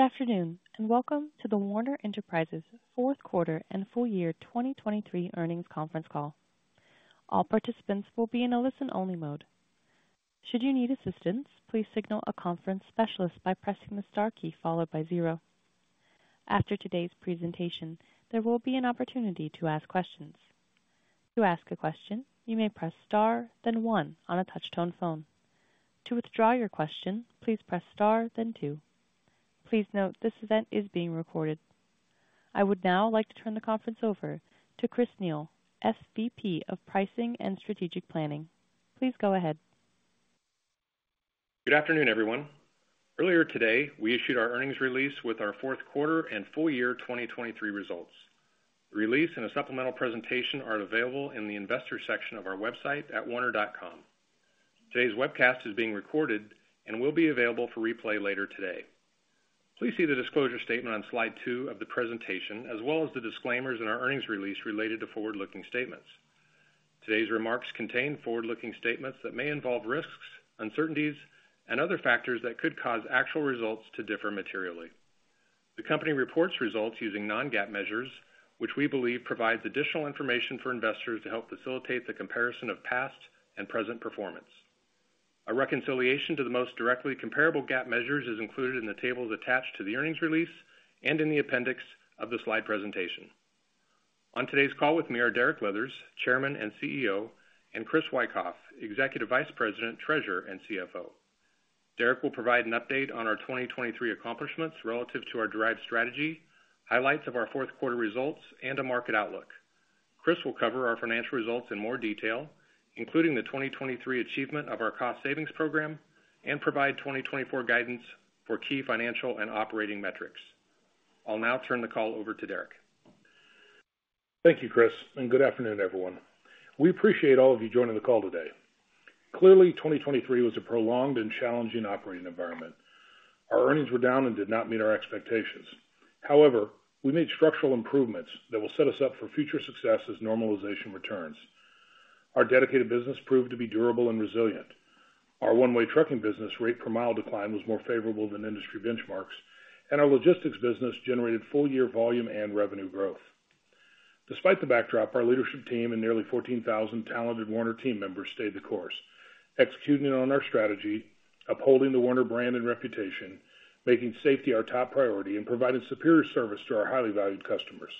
Good afternoon, and welcome to the Werner Enterprises Fourth Quarter and Full Year 2023 Earnings Conference Call. All participants will be in a listen-only mode. Should you need assistance, please signal a conference specialist by pressing the star key followed by zero. After today's presentation, there will be an opportunity to ask questions. To ask a question, you may press Star, then One on a touch-tone phone. To withdraw your question, please press Star then Two. Please note, this event is being recorded. I would now like to turn the conference over to Chris Neil, SVP of Pricing and Strategic Planning. Please go ahead. Good afternoon, everyone. Earlier today, we issued our earnings release with our fourth quarter and full year 2023 results. The release and a supplemental presentation are available in the investor section of our website at werner.com. Today's webcast is being recorded and will be available for replay later today. Please see the disclosure statement on slide 2 of the presentation, as well as the disclaimers in our earnings release related to forward-looking statements. Today's remarks contain forward-looking statements that may involve risks, uncertainties, and other factors that could cause actual results to differ materially. The company reports results using non-GAAP measures, which we believe provides additional information for investors to help facilitate the comparison of past and present performance. A reconciliation to the most directly comparable GAAP measures is included in the tables attached to the earnings release and in the appendix of the slide presentation. On today's call with me are Derek Leathers, Chairman and CEO, and Chris Wikoff, Executive Vice President, Treasurer and CFO. Derek will provide an update on our 2023 accomplishments relative to our DRIVE strategy, highlights of our fourth quarter results, and a market outlook. Chris will cover our financial results in more detail, including the 2023 achievement of our cost savings program and provide 2024 guidance for key financial and operating metrics. I'll now turn the call over to Derek. Thank you, Chris, and good afternoon, everyone. We appreciate all of you joining the call today. Clearly, 2023 was a prolonged and challenging operating environment. Our earnings were down and did not meet our expectations. However, we made structural improvements that will set us up for future success as normalization returns. Our dedicated business proved to be durable and resilient. Our One-Way trucking business rate per mile decline was more favorable than industry benchmarks, and our logistics business generated full-year volume and revenue growth. Despite the backdrop, our leadership team and nearly 14,000 talented Werner team members stayed the course, executing on our strategy, upholding the Werner brand and reputation, making safety our top priority, and providing superior service to our highly valued customers.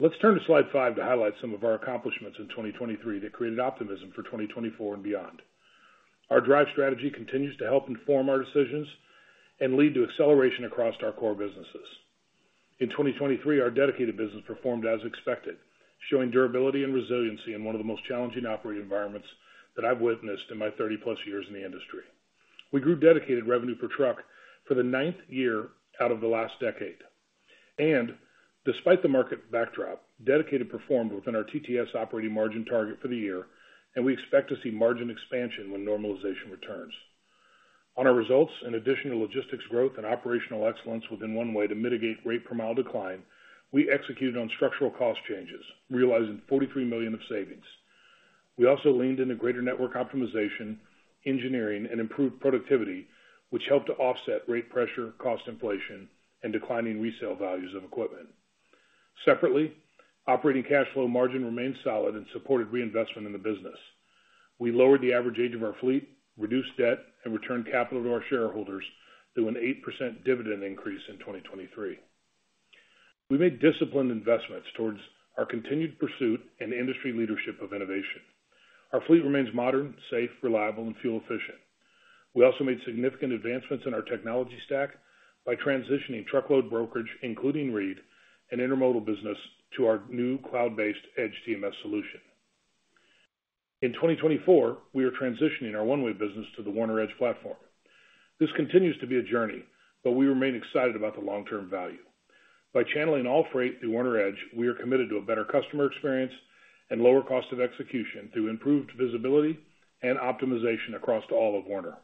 Let's turn to slide 5 to highlight some of our accomplishments in 2023 that created optimism for 2024 and beyond. Our DRIVE strategy continues to help inform our decisions and lead to acceleration across our core businesses. In 2023, our dedicated business performed as expected, showing durability and resiliency in one of the most challenging operating environments that I've witnessed in my 30+ years in the industry. We grew dedicated revenue per truck for the ninth year out of the last decade, and despite the market backdrop, Dedicated performed within our TTS operating margin target for the year, and we expect to see margin expansion when normalization returns. On our results, in addition to logistics growth and operational excellence within One-Way to mitigate rate per mile decline, we executed on structural cost changes, realizing $43 million of savings. We also leaned into greater network optimization, engineering, and improved productivity, which helped to offset rate pressure, cost inflation, and declining resale values of equipment. Separately, operating cash flow margin remained solid and supported reinvestment in the business. We lowered the average age of our fleet, reduced debt, and returned capital to our shareholders through an 8% dividend increase in 2023. We made disciplined investments towards our continued pursuit and industry leadership of innovation. Our fleet remains modern, safe, reliable, and fuel efficient. We also made significant advancements in our technology stack by transitioning truckload brokerage, including Reed and intermodal business, to our new cloud-based Edge TMS solution. In 2024, we are transitioning our One-Way business to the Werner Edge platform. This continues to be a journey, but we remain excited about the long-term value. By channeling all freight through Werner Edge, we are committed to a better customer experience and lower cost of execution through improved visibility and optimization across all of Werner.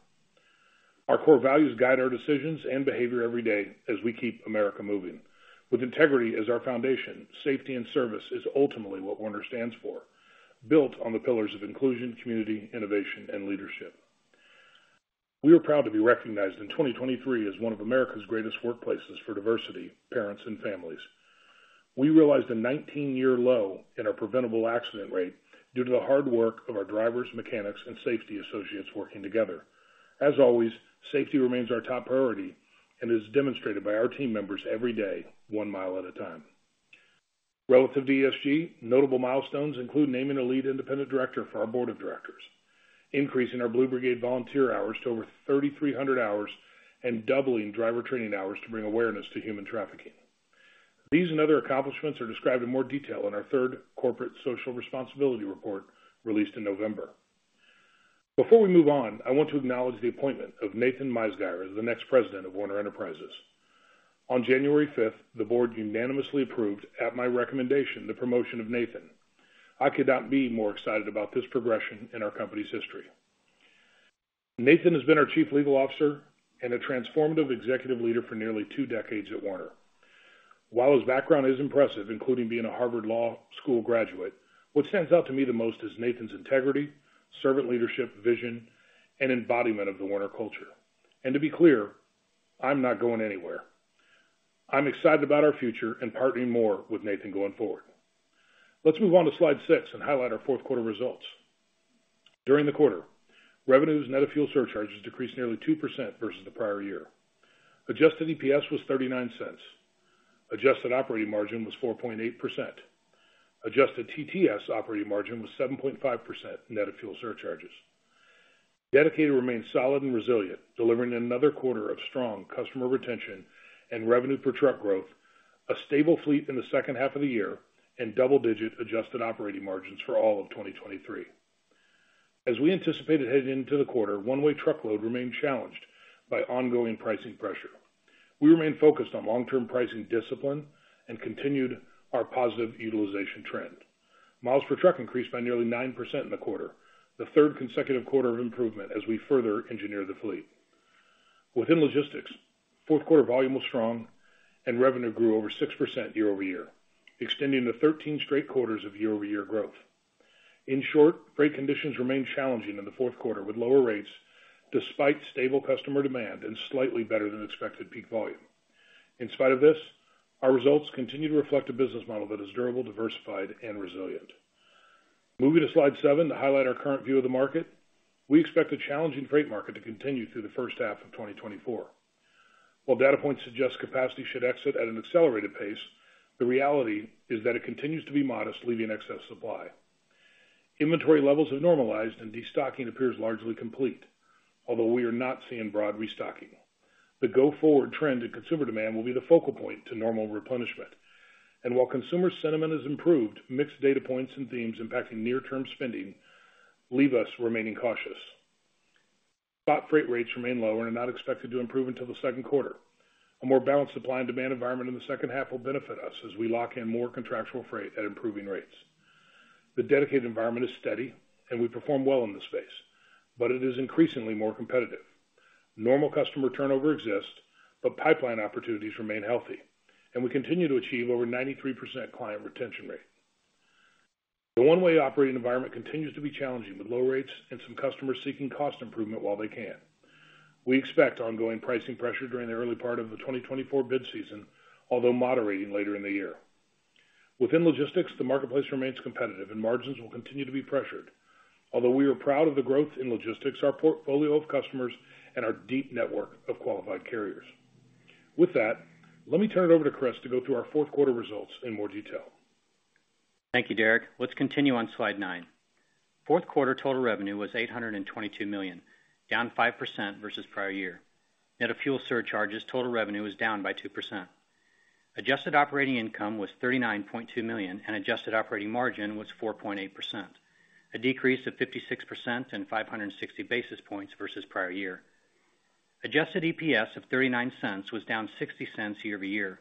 Our core values guide our decisions and behavior every day as we keep America moving. With integrity as our foundation, safety and service is ultimately what Werner stands for, built on the pillars of inclusion, community, innovation, and leadership. We are proud to be recognized in 2023 as one of America's greatest workplaces for diversity, parents, and families. We realized a 19-year low in our preventable accident rate due to the hard work of our drivers, mechanics, and safety associates working together. As always, safety remains our top priority and is demonstrated by our team members every day, one mile at a time. Relative to ESG, notable milestones include naming a lead independent director for our board of directors, increasing our Blue Brigade volunteer hours to over 3,300 hours, and doubling driver training hours to bring awareness to human trafficking. These and other accomplishments are described in more detail in our third Corporate Social Responsibility Report, released in November. Before we move on, I want to acknowledge the appointment of Nathan Meisgeier as the next president of Werner Enterprises. On January 5, the board unanimously approved, at my recommendation, the promotion of Nathan. I could not be more excited about this progression in our company's history. Nathan has been our Chief Legal Officer and a transformative executive leader for nearly 2 decades at Werner. While his background is impressive, including being a Harvard Law School graduate, what stands out to me the most is Nathan's integrity, servant leadership, vision, and embodiment of the Werner culture. To be clear, I'm not going anywhere. I'm excited about our future and partnering more with Nathan going forward. Let's move on to slide 6 and highlight our fourth quarter results. During the quarter, revenues net of fuel surcharges decreased nearly 2% versus the prior year. Adjusted EPS was $0.39. Adjusted operating margin was 4.8%. Adjusted TTS operating margin was 7.5% net of fuel surcharges. Dedicated remains solid and resilient, delivering another quarter of strong customer retention and revenue per truck growth, a stable fleet in the second half of the year, and double-digit adjusted operating margins for all of 2023. As we anticipated heading into the quarter, One-Way Truckload remained challenged by ongoing pricing pressure. We remain focused on long-term pricing discipline and continued our positive utilization trend. Miles per truck increased by nearly 9% in the quarter, the third consecutive quarter of improvement as we further engineer the fleet. Within logistics, fourth quarter volume was strong and revenue grew over 6% year-over-year, extending to 13 straight quarters of year-over-year growth. In short, freight conditions remained challenging in the fourth quarter, with lower rates despite stable customer demand and slightly better than expected peak volume. In spite of this, our results continue to reflect a business model that is durable, diversified, and resilient. Moving to slide seven, to highlight our current view of the market, we expect a challenging freight market to continue through the first half of 2024. While data points suggest capacity should exit at an accelerated pace, the reality is that it continues to be modest, leaving excess supply. Inventory levels have normalized and destocking appears largely complete, although we are not seeing broad restocking. The go-forward trend in consumer demand will be the focal point to normal replenishment, and while consumer sentiment has improved, mixed data points and themes impacting near-term spending leave us remaining cautious. Spot freight rates remain low and are not expected to improve until the second quarter. A more balanced supply and demand environment in the second half will benefit us as we lock in more contractual freight at improving rates. The dedicated environment is steady and we perform well in this space, but it is increasingly more competitive. Normal customer turnover exists, but pipeline opportunities remain healthy, and we continue to achieve over 93% client retention rate. The One-Way operating environment continues to be challenging, with low rates and some customers seeking cost improvement while they can. We expect ongoing pricing pressure during the early part of the 2024 bid season, although moderating later in the year. Within logistics, the marketplace remains competitive and margins will continue to be pressured, although we are proud of the growth in logistics, our portfolio of customers, and our deep network of qualified carriers. With that, let me turn it over to Chris to go through our fourth quarter results in more detail. Thank you, Derek. Let's continue on slide 9. Fourth quarter total revenue was $822 million, down 5% versus prior year. Net of fuel surcharges, total revenue was down by 2%. Adjusted operating income was $39.2 million, and adjusted operating margin was 4.8%, a decrease of 56% and 560 basis points versus prior year. Adjusted EPS of $0.39 was down $0.60 year-over-year,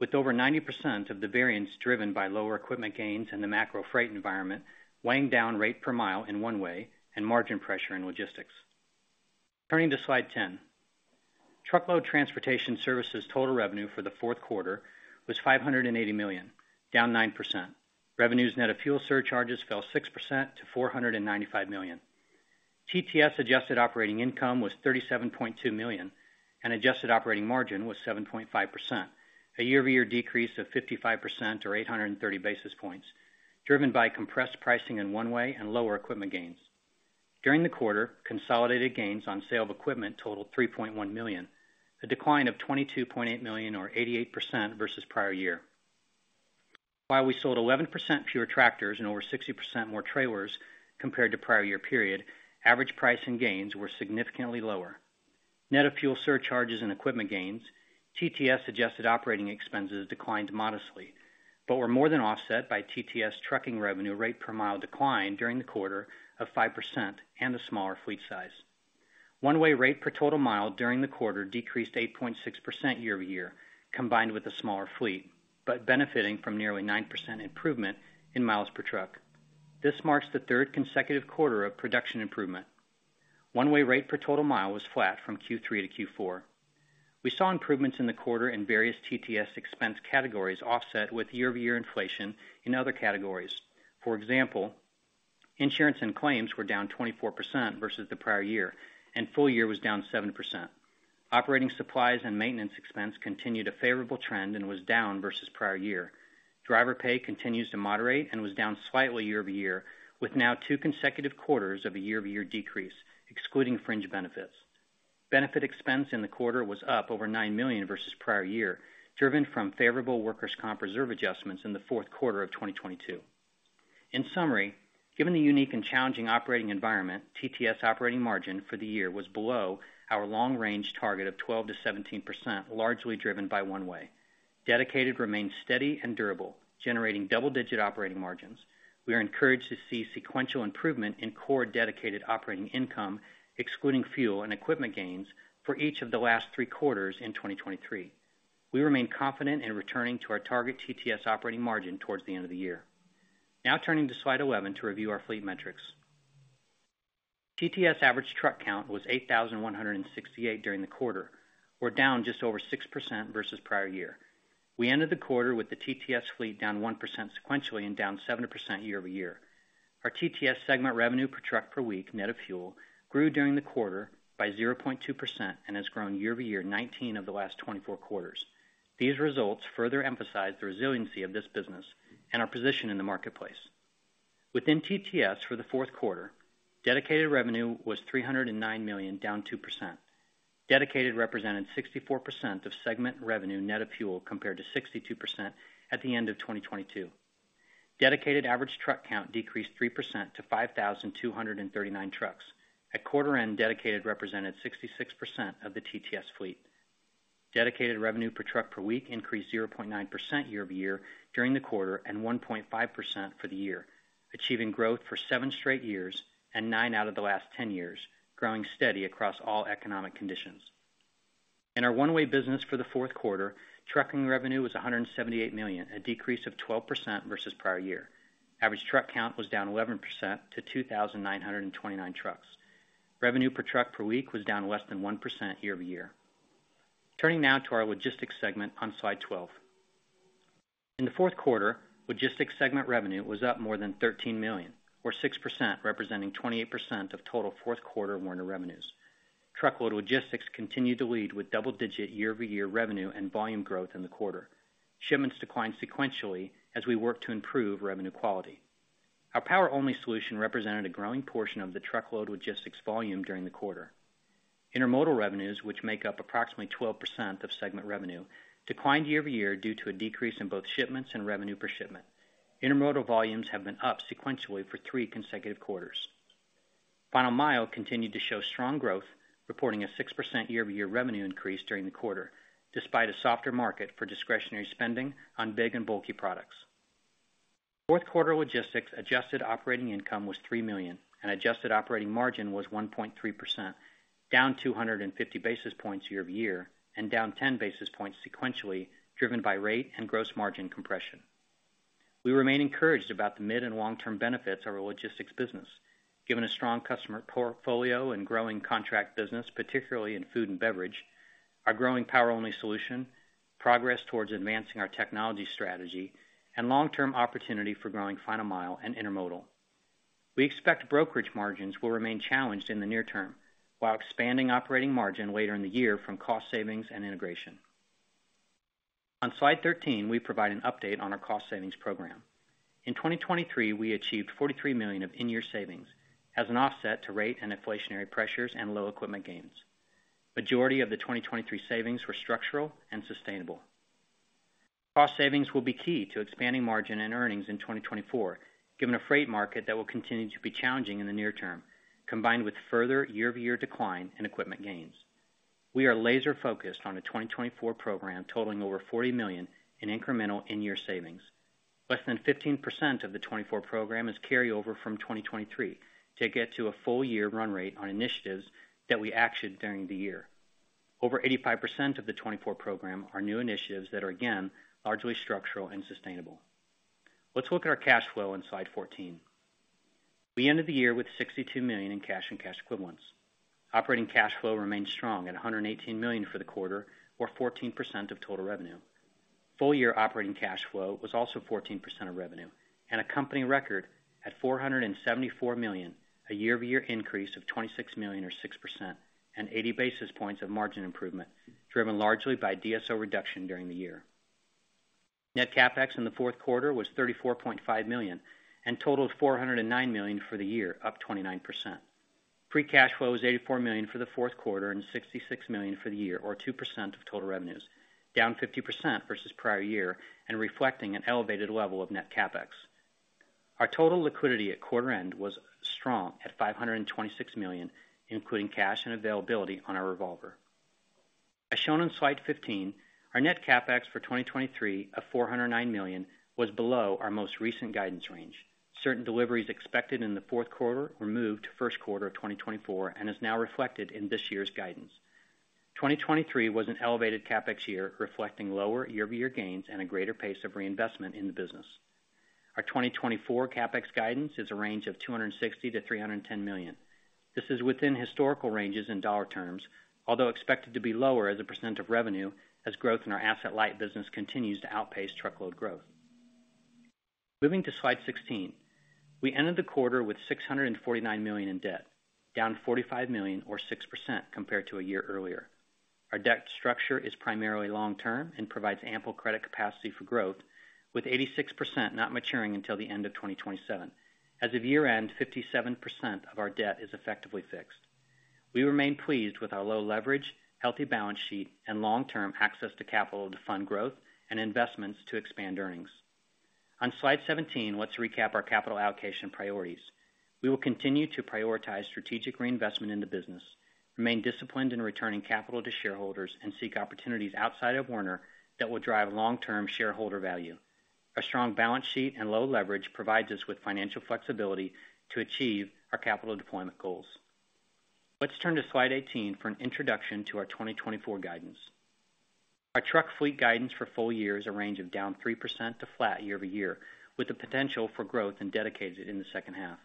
with over 90% of the variance driven by lower equipment gains and the macro freight environment, weighing down rate per mile in One-Way and margin pressure in logistics. Turning to slide 10. Truckload transportation services total revenue for the fourth quarter was $580 million, down 9%. Revenues net of fuel surcharges fell 6% to $495 million. TTS adjusted operating income was $37.2 million, and adjusted operating margin was 7.5%, a year-over-year decrease of 55% or 830 basis points, driven by compressed pricing in One-Way and lower equipment gains. During the quarter, consolidated gains on sale of equipment totaled $3.1 million, a decline of $22.8 million, or 88%, versus prior year. While we sold 11% fewer tractors and over 60% more trailers compared to prior year period, average price and gains were significantly lower. Net of fuel surcharges and equipment gains, TTS adjusted operating expenses declined modestly, but were more than offset by TTS trucking revenue rate per mile decline during the quarter of 5% and a smaller fleet size. One-Way rate per total mile during the quarter decreased 8.6% year-over-year, combined with a smaller fleet, but benefiting from nearly 9% improvement in miles per truck. This marks the third consecutive quarter of production improvement. One-Way rate per total mile was flat from Q3 to Q4. We saw improvements in the quarter in various TTS expense categories, offset with year-over-year inflation in other categories. For example, insurance and claims were down 24% versus the prior year, and full year was down 7%. Operating supplies and maintenance expense continued a favorable trend and was down versus prior year. Driver pay continues to moderate and was down slightly year-over-year, with now two consecutive quarters of a year-over-year decrease, excluding fringe benefits. Benefit expense in the quarter was up over $9 million versus prior year, driven from favorable workers' comp reserve adjustments in the fourth quarter of 2022. In summary, given the unique and challenging operating environment, TTS operating margin for the year was below our long-range target of 12%-17%, largely driven by One-Way. Dedicated remained steady and durable, generating double-digit operating margins. We are encouraged to see sequential improvement in core dedicated operating income, excluding fuel and equipment gains for each of the last 3 quarters in 2023. We remain confident in returning to our target TTS operating margin towards the end of the year. Now turning to slide 11 to review our fleet metrics.... TTS average truck count was 8,168 during the quarter, or down just over 6% versus prior year. We ended the quarter with the TTS fleet down 1% sequentially and down 7% year-over-year. Our TTS segment revenue per truck per week, net of fuel, grew during the quarter by 0.2% and has grown year-over-year, 19 of the last 24 quarters. These results further emphasize the resiliency of this business and our position in the marketplace. Within TTS for the fourth quarter, dedicated revenue was $309 million, down 2%. Dedicated represented 64% of segment revenue, net of fuel, compared to 62% at the end of 2022. Dedicated average truck count decreased 3% to 5,239 trucks. At quarter end, dedicated represented 66% of the TTS fleet. Dedicated revenue per truck per week increased 0.9% year-over-year during the quarter and 1.5% for the year, achieving growth for seven straight years and 9 out of the last 10 years, growing steady across all economic conditions. In our One-Way business for the fourth quarter, trucking revenue was $178 million, a decrease of 12% versus prior year. Average truck count was down 11% to 2,929 trucks. Revenue per truck per week was down less than 1% year-over-year. Turning now to our Logistics segment on Slide 12. In the fourth quarter, Logistics segment revenue was up more than $13 million, or 6%, representing 28% of total fourth quarter Werner revenues. Truckload Logistics continued to lead with double-digit year-over-year revenue and volume growth in the quarter. Shipments declined sequentially as we work to improve revenue quality. Our Power-Only solution represented a growing portion of the Truckload Logistics volume during the quarter. Intermodal revenues, which make up approximately 12% of segment revenue, declined year-over-year due to a decrease in both shipments and revenue per shipment. Intermodal volumes have been up sequentially for three consecutive quarters. Final Mile continued to show strong growth, reporting a 6% year-over-year revenue increase during the quarter, despite a softer market for discretionary spending on big and bulky products. Fourth quarter logistics adjusted operating income was $3 million, and adjusted operating margin was 1.3%, down 250 basis points year-over-year, and down 10 basis points sequentially, driven by rate and gross margin compression. We remain encouraged about the mid and long-term benefits of our logistics business, given a strong customer portfolio and growing contract business, particularly in food and beverage, our growing Power-Only solution, progress towards advancing our technology strategy, and long-term opportunity for growing final mile and intermodal. We expect brokerage margins will remain challenged in the near term, while expanding operating margin later in the year from cost savings and integration. On Slide 13, we provide an update on our cost savings program. In 2023, we achieved $43 million of in-year savings as an offset to rate and inflationary pressures and low equipment gains. Majority of the 2023 savings were structural and sustainable. Cost savings will be key to expanding margin and earnings in 2024, given a freight market that will continue to be challenging in the near term, combined with further year-over-year decline in equipment gains. We are laser focused on a 2024 program totaling over $40 million in incremental in-year savings. Less than 15% of the 2024 program is carryover from 2023 to get to a full year run rate on initiatives that we actioned during the year. Over 85% of the 2024 program are new initiatives that are, again, largely structural and sustainable. Let's look at our cash flow on Slide 14. We ended the year with $62 million in cash and cash equivalents. Operating cash flow remained strong at $118 million for the quarter, or 14% of total revenue. Full year operating cash flow was also 14% of revenue and a company record at $474 million, a year-over-year increase of $26 million, or 6%, and 80 basis points of margin improvement, driven largely by DSO reduction during the year. Net CapEx in the fourth quarter was $34.5 million and totaled $409 million for the year, up 29%. Free cash flow was $84 million for the fourth quarter and $66 million for the year, or 2% of total revenues, down 50% versus prior year and reflecting an elevated level of net CapEx. Our total liquidity at quarter end was strong at $526 million, including cash and availability on our revolver. As shown on Slide 15, our net CapEx for 2023 of $409 million was below our most recent guidance range. Certain deliveries expected in the fourth quarter were moved to first quarter of 2024 and is now reflected in this year's guidance. 2023 was an elevated CapEx year, reflecting lower year-over-year gains and a greater pace of reinvestment in the business. Our 2024 CapEx guidance is a range of $260 million-$310 million. This is within historical ranges in dollar terms, although expected to be lower as a percent of revenue, as growth in our Asset Light business continues to outpace truckload growth. Moving to Slide 16, we ended the quarter with $649 million in debt, down $45 million or 6% compared to a year earlier. Our debt structure is primarily long-term and provides ample credit capacity for growth, with 86% not maturing until the end of 2027. As of year-end, 57% of our debt is effectively fixed. We remain pleased with our low leverage, healthy balance sheet, and long-term access to capital to fund growth and investments to expand earnings. On Slide 17, let's recap our capital allocation priorities. We will continue to prioritize strategic reinvestment in the business, remain disciplined in returning capital to shareholders, and seek opportunities outside of Werner that will drive long-term shareholder value. Our strong balance sheet and low leverage provides us with financial flexibility to achieve our capital deployment goals. Let's turn to Slide 18 for an introduction to our 2024 guidance.... Our truck fleet guidance for full year is a range of down 3% to flat year-over-year, with the potential for growth and dedicated in the second half.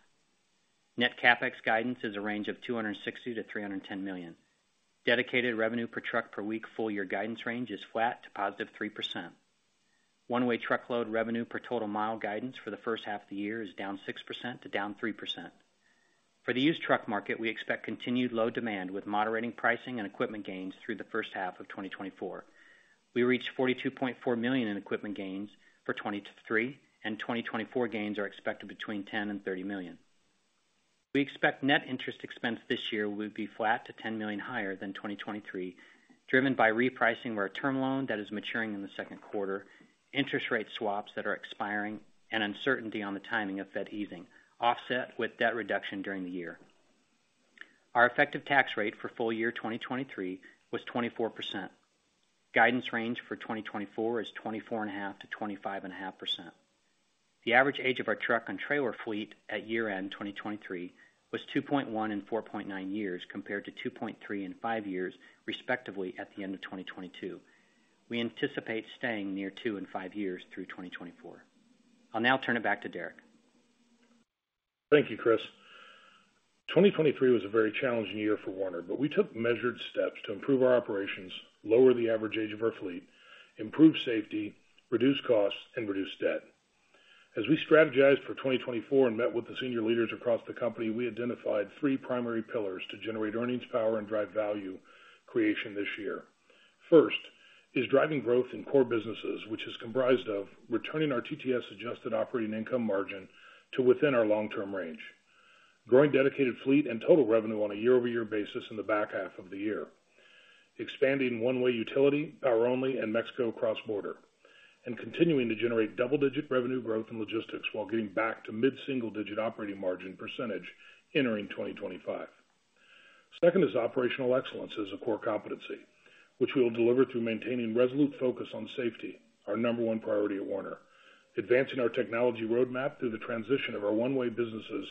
Net CapEx guidance is a range of $260-$310 million. Dedicated revenue per truck per week, full year guidance range is flat to +3%. One-Way Truckload revenue per total mile guidance for the first half of the year is down 6% to down 3%. For the used truck market, we expect continued low demand with moderating pricing and equipment gains through the first half of 2024. We reached $42.4 million in equipment gains for 2023, and 2024 gains are expected between $10 million and $30 million. We expect net interest expense this year will be flat to $10 million higher than 2023, driven by repricing where a term loan that is maturing in the second quarter, interest rate swaps that are expiring, and uncertainty on the timing of Fed easing, offset with debt reduction during the year. Our effective tax rate for full year 2023 was 24%. Guidance range for 2024 is 24.5%-25.5%. The average age of our truck and trailer fleet at year-end 2023 was 2.1 and 4.9 years, compared to 2.3 and 5 years, respectively, at the end of 2022. We anticipate staying near 2 and 5 years through 2024. I'll now turn it back to Derek. Thank you, Chris. 2023 was a very challenging year for Werner, but we took measured steps to improve our operations, lower the average age of our fleet, improve safety, reduce costs, and reduce debt. As we strategized for 2024 and met with the senior leaders across the company, we identified three primary pillars to generate earnings power and drive value creation this year. First is driving growth in core businesses, which is comprised of returning our TTS adjusted operating income margin to within our long-term range, growing dedicated fleet and total revenue on a year-over-year basis in the back half of the year, expanding One-Way Utility, Power-Only, and Mexico Cross-Border, and continuing to generate double-digit revenue growth in logistics while getting back to mid-single digit operating margin percentage entering 2025. Second is operational excellence as a core competency, which we will deliver through maintaining resolute focus on safety, our number one priority at Werner. Advancing our technology roadmap through the transition of our One-Way businesses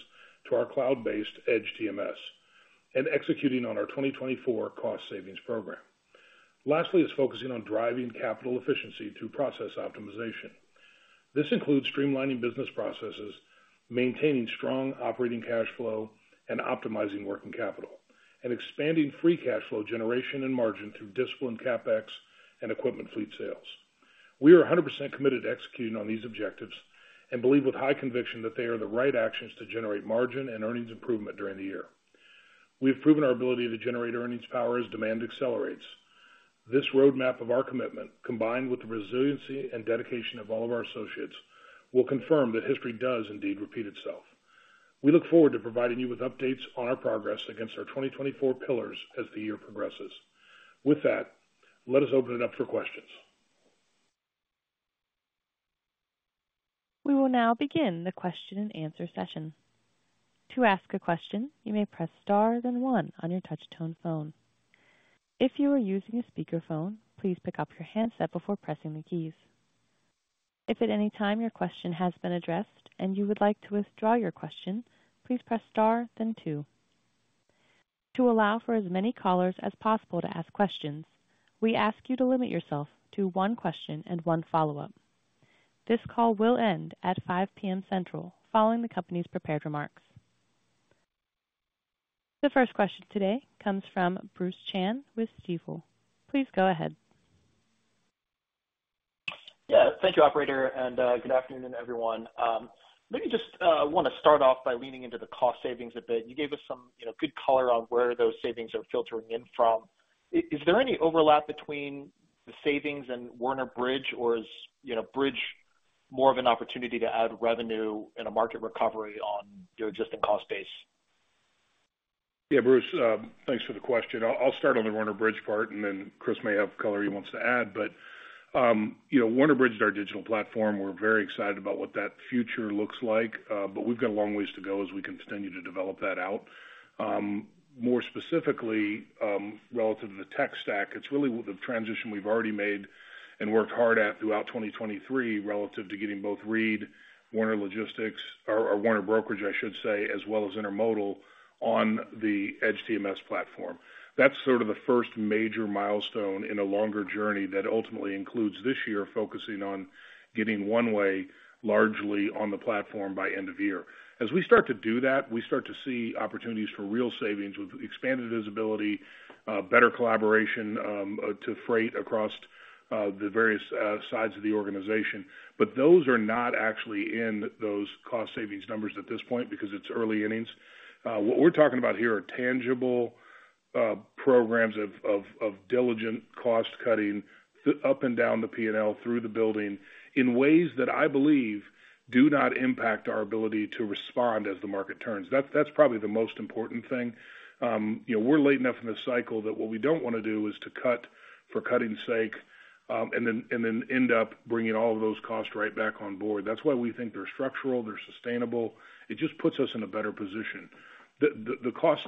to our cloud-based Edge TMS, and executing on our 2024 cost savings program. Lastly, is focusing on driving capital efficiency through process optimization. This includes streamlining business processes, maintaining strong operating cash flow and optimizing working capital, and expanding free cash flow generation and margin through disciplined CapEx and equipment fleet sales. We are 100% committed to executing on these objectives and believe with high conviction that they are the right actions to generate margin and earnings improvement during the year. We have proven our ability to generate earnings power as demand accelerates. This roadmap of our commitment, combined with the resiliency and dedication of all of our associates, will confirm that history does indeed repeat itself. We look forward to providing you with updates on our progress against our 2024 pillars as the year progresses. With that, let us open it up for questions. We will now begin the question and answer session. To ask a question, you may press Star, then one on your touch tone phone. If you are using a speakerphone, please pick up your handset before pressing the keys. If at any time your question has been addressed and you would like to withdraw your question, please press Star then two. To allow for as many callers as possible to ask questions, we ask you to limit yourself to one question and one follow-up. This call will end at 5:00 P.M. Central, following the company's prepared remarks. The first question today comes from Bruce Chan with Stifel. Please go ahead. Yeah, thank you, operator, and good afternoon, everyone. Let me just want to start off by leaning into the cost savings a bit. You gave us some, you know, good color on where those savings are filtering in from. Is there any overlap between the savings and Werner Bridge, or is, you know, Bridge more of an opportunity to add revenue and a market recovery on, you know, just a cost base? Yeah, Bruce, thanks for the question. I'll start on the Werner Bridge part, and then Chris may have color he wants to add. But you know, Werner Bridge is our digital platform. We're very excited about what that future looks like, but we've got a long ways to go as we continue to develop that out. More specifically, relative to the tech stack, it's really the transition we've already made and worked hard at throughout 2023, relative to getting both Reed, Werner Logistics, or Werner Brokerage, I should say, as well as Intermodal on the Edge TMS platform. That's sort of the first major milestone in a longer journey that ultimately includes this year, focusing on getting One-Way, largely on the platform by end of year. As we start to do that, we start to see opportunities for real savings with expanded visibility, better collaboration to freight across the various sides of the organization. But those are not actually in those cost savings numbers at this point because it's early innings. What we're talking about here are tangible programs of diligent cost cutting up and down the P&L, through the building, in ways that I believe do not impact our ability to respond as the market turns. That's probably the most important thing. You know, we're late enough in the cycle that what we don't want to do is to cut for cutting sake, and then end up bringing all of those costs right back on board. That's why we think they're structural, they're sustainable. It just puts us in a better position. The cost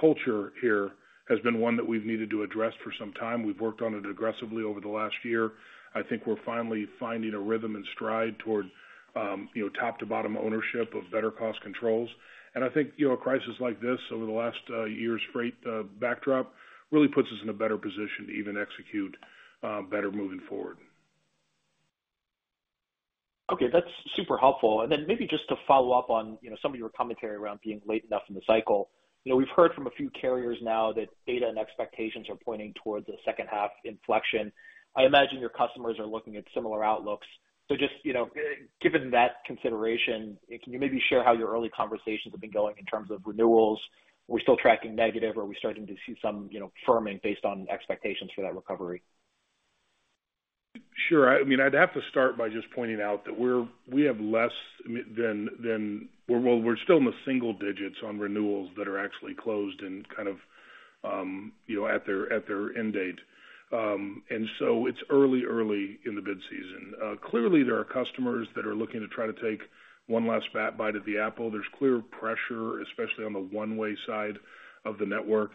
culture here has been one that we've needed to address for some time. We've worked on it aggressively over the last year. I think we're finally finding a rhythm and stride toward, you know, top to bottom ownership of better cost controls. And I think, you know, a crisis like this over the last year's freight backdrop really puts us in a better position to even execute better moving forward. Okay, that's super helpful. Then maybe just to follow up on, you know, some of your commentary around being late enough in the cycle. You know, we've heard from a few carriers now that data and expectations are pointing towards a second half inflection. I imagine your customers are looking at similar outlooks. Just, you know, given that consideration, can you maybe share how your early conversations have been going in terms of renewals? Are we still tracking negative, or are we starting to see some, you know, firming based on expectations for that recovery? Sure. I mean, I'd have to start by just pointing out that we're—we have less, I mean, than... Well, we're still in the single digits on renewals that are actually closed and kind of, you know, at their end date. And so it's early in the bid season. Clearly, there are customers that are looking to try to take one last bite at the apple. There's clear pressure, especially on the One-Way side of the network.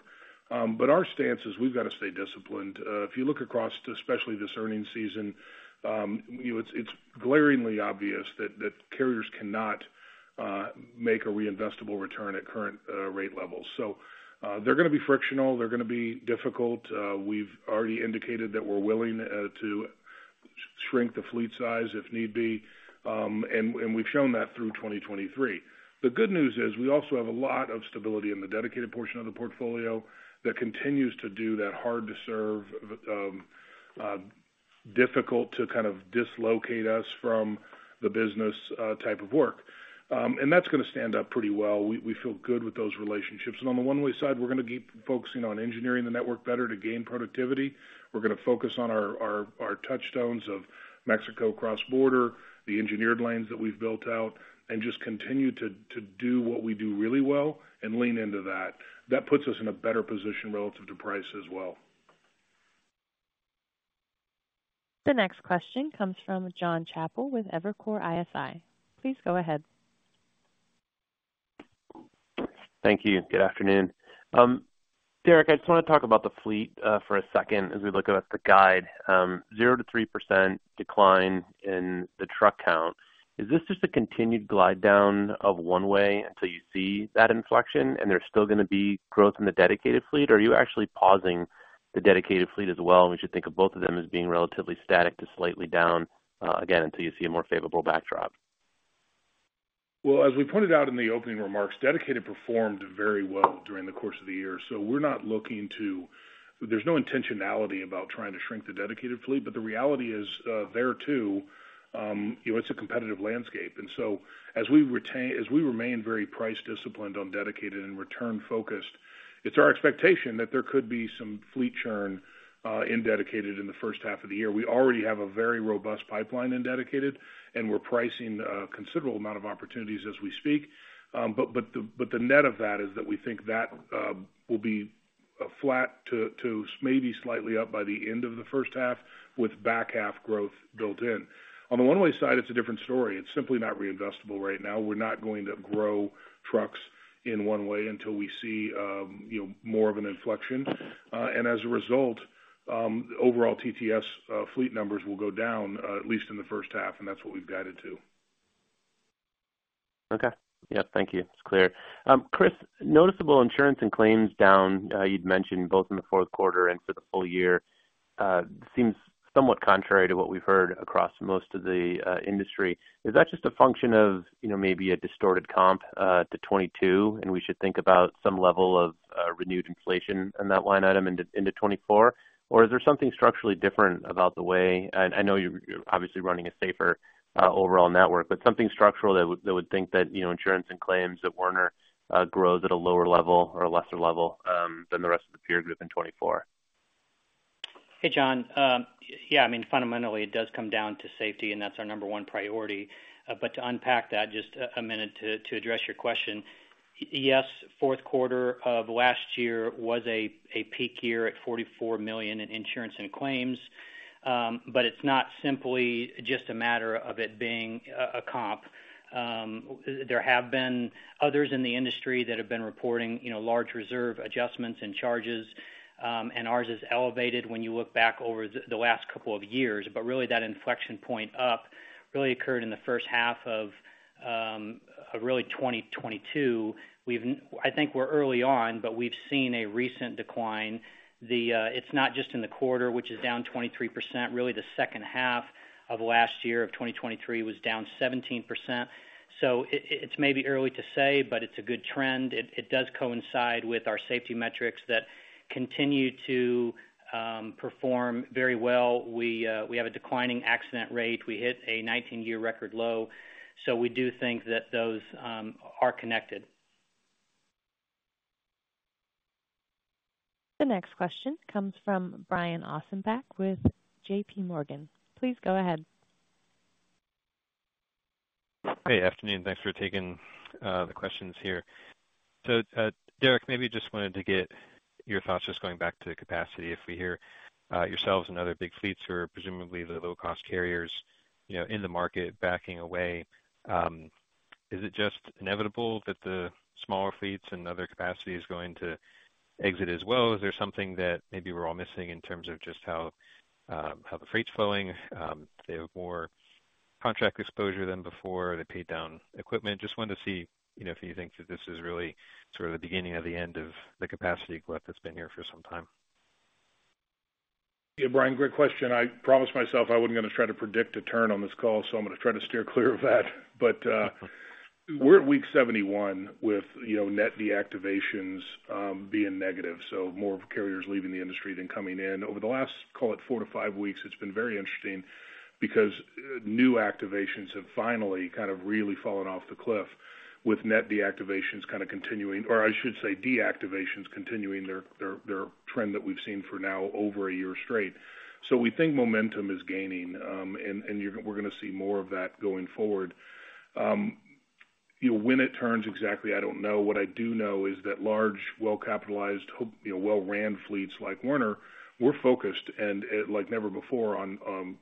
But our stance is we've got to stay disciplined. If you look across, especially this earnings season, you know, it's glaringly obvious that carriers cannot make a reinvestable return at current rate levels. So, they're going to be frictional, they're going to be difficult. We've already indicated that we're willing to shrink the fleet size if need be, and we've shown that through 2023. The good news is, we also have a lot of stability in the dedicated portion of the portfolio that continues to do that hard to serve, difficult to kind of dislocate us from the business, type of work. And that's going to stand up pretty well. We feel good with those relationships. And on the One-Way side, we're going to keep focusing on engineering the network better to gain productivity. We're going to focus on our touchstones of Mexico cross-border, the engineered lanes that we've built out, and just continue to do what we do really well and lean into that. That puts us in a better position relative to price as well. The next question comes from Jon Chappell with Evercore ISI. Please go ahead. Thank you. Good afternoon. Derek, I just want to talk about the fleet, for a second as we look at the guide. 0%-3% decline in the truck count. Is this just a continued glide down of One-Way until you see that inflection, and there's still going to be growth in the dedicated fleet? Or are you actually pausing the dedicated fleet as well, and we should think of both of them as being relatively static to slightly down, again, until you see a more favorable backdrop? Well, as we pointed out in the opening remarks, dedicated performed very well during the course of the year, so we're not looking to... There's no intentionality about trying to shrink the dedicated fleet, but the reality is, there, too, you know, it's a competitive landscape. And so as we remain very price disciplined on dedicated and return focused, it's our expectation that there could be some fleet churn in dedicated in the first half of the year. We already have a very robust pipeline in dedicated, and we're pricing a considerable amount of opportunities as we speak. But the net of that is that we think that will be flat to maybe slightly up by the end of the first half, with back half growth built in. On the One-Way side, it's a different story. It's simply not reinvestable right now. We're not going to grow trucks in One-Way until we see, you know, more of an inflection. And as a result, overall TTS fleet numbers will go down, at least in the first half, and that's what we've guided to. Okay. Yeah, thank you. It's clear. Chris, noticeable insurance and claims down, you'd mentioned both in the fourth quarter and for the full year, seems somewhat contrary to what we've heard across most of the industry. Is that just a function of, you know, maybe a distorted comp to 2022, and we should think about some level of renewed inflation in that line item into 2024? Or is there something structurally different about the way... I know you're, you're obviously running a safer overall network, but something structural that would, that would think that, you know, insurance and claims at Werner grows at a lower level or a lesser level than the rest of the peer group in 2024. Hey, John. Yeah, I mean, fundamentally, it does come down to safety, and that's our number one priority. But to unpack that, just a minute to address your question. Yes, fourth quarter of last year was a peak year at $44 million in insurance and claims, but it's not simply just a matter of it being a comp. There have been others in the industry that have been reporting, you know, large reserve adjustments and charges, and ours is elevated when you look back over the last couple of years. But really, that inflection point up really occurred in the first half of really 2022. We've. I think we're early on, but we've seen a recent decline. It's not just in the quarter, which is down 23%. Really, the second half of last year of 2023 was down 17%. So it, it's maybe early to say, but it's a good trend. It, it does coincide with our safety metrics that continue to perform very well. We, we have a declining accident rate. We hit a 19-year record low, so we do think that those are connected. The next question comes from Brian Ossenbeck with JP Morgan. Please go ahead. Hey, afternoon. Thanks for taking the questions here. So, Derek, maybe just wanted to get your thoughts, just going back to the capacity. If we hear, yourselves and other big fleets are presumably the low-cost carriers, you know, in the market backing away, is it just inevitable that the smaller fleets and other capacity is going to exit as well? Is there something that maybe we're all missing in terms of just how the freight's flowing? They have more contract exposure than before, they paid down equipment. Just wanted to see, you know, if you think that this is really sort of the beginning of the end of the capacity glut that's been here for some time.... Yeah, Brian, great question. I promised myself I wasn't gonna try to predict a turn on this call, so I'm gonna try to steer clear of that. But, we're at week 71 with, you know, net deactivations being negative, so more of carriers leaving the industry than coming in. Over the last, call it 4-5 weeks, it's been very interesting because new activations have finally kind of really fallen off the cliff, with net deactivations kind of continuing, or I should say, deactivations continuing their trend that we've seen for now over a year straight. So we think momentum is gaining, and you're-- we're gonna see more of that going forward. You know, when it turns exactly, I don't know. What I do know is that large, well-capitalized, you know, well-run fleets like Werner, we're focused and, like never before on,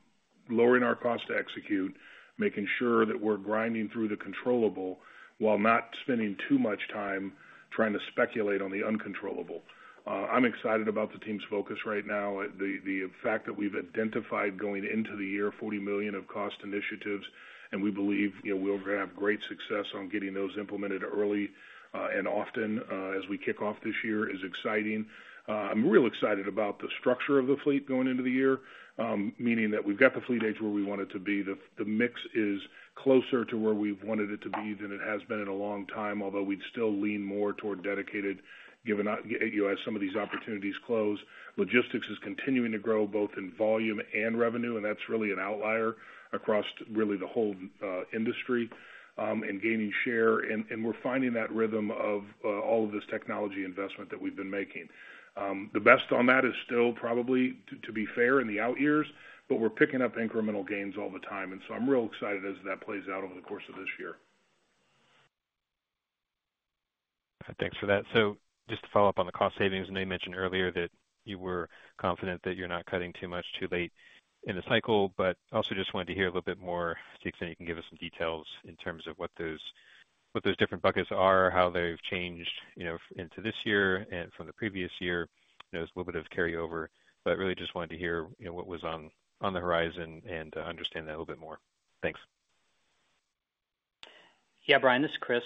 lowering our cost to execute, making sure that we're grinding through the controllable while not spending too much time trying to speculate on the uncontrollable. I'm excited about the team's focus right now. The fact that we've identified going into the year $40 million of cost initiatives, and we believe, you know, we'll have great success on getting those implemented early, and often, as we kick off this year is exciting. I'm real excited about the structure of the fleet going into the year, meaning that we've got the fleet age where we want it to be. The mix is closer to where we've wanted it to be than it has been in a long time, although we'd still lean more toward dedicated, given you know, as some of these opportunities close. Logistics is continuing to grow, both in volume and revenue, and that's really an outlier across really the whole industry, and gaining share, and we're finding that rhythm of all of this technology investment that we've been making. The best on that is still probably to be fair, in the out years, but we're picking up incremental gains all the time, and so I'm real excited as that plays out over the course of this year. Thanks for that. So just to follow up on the cost savings, and you mentioned earlier that you were confident that you're not cutting too much too late in the cycle, but also just wanted to hear a little bit more, to see if you can give us some details in terms of what those, what those different buckets are, how they've changed, you know, into this year and from the previous year. I know there's a little bit of carryover, but really just wanted to hear, you know, what was on the horizon and understand that a little bit more. Thanks. Yeah, Brian, this is Chris.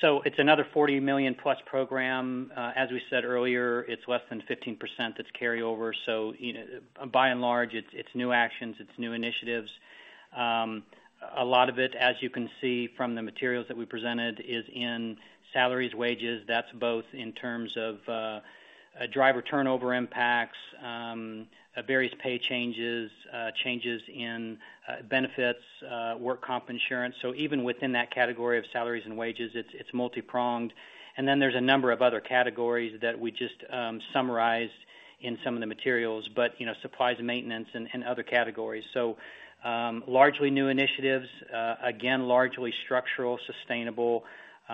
So it's another $40 million+ program. As we said earlier, it's less than 15% that's carryover, so, you know, by and large, it's new actions, it's new initiatives. A lot of it, as you can see from the materials that we presented, is in salaries, wages. That's both in terms of driver turnover impacts, various pay changes, changes in benefits, work comp insurance. So even within that category of salaries and wages, it's multipronged. And then there's a number of other categories that we just summarized in some of the materials, but, you know, supplies and maintenance and other categories. So, largely new initiatives, again, largely structural, sustainable,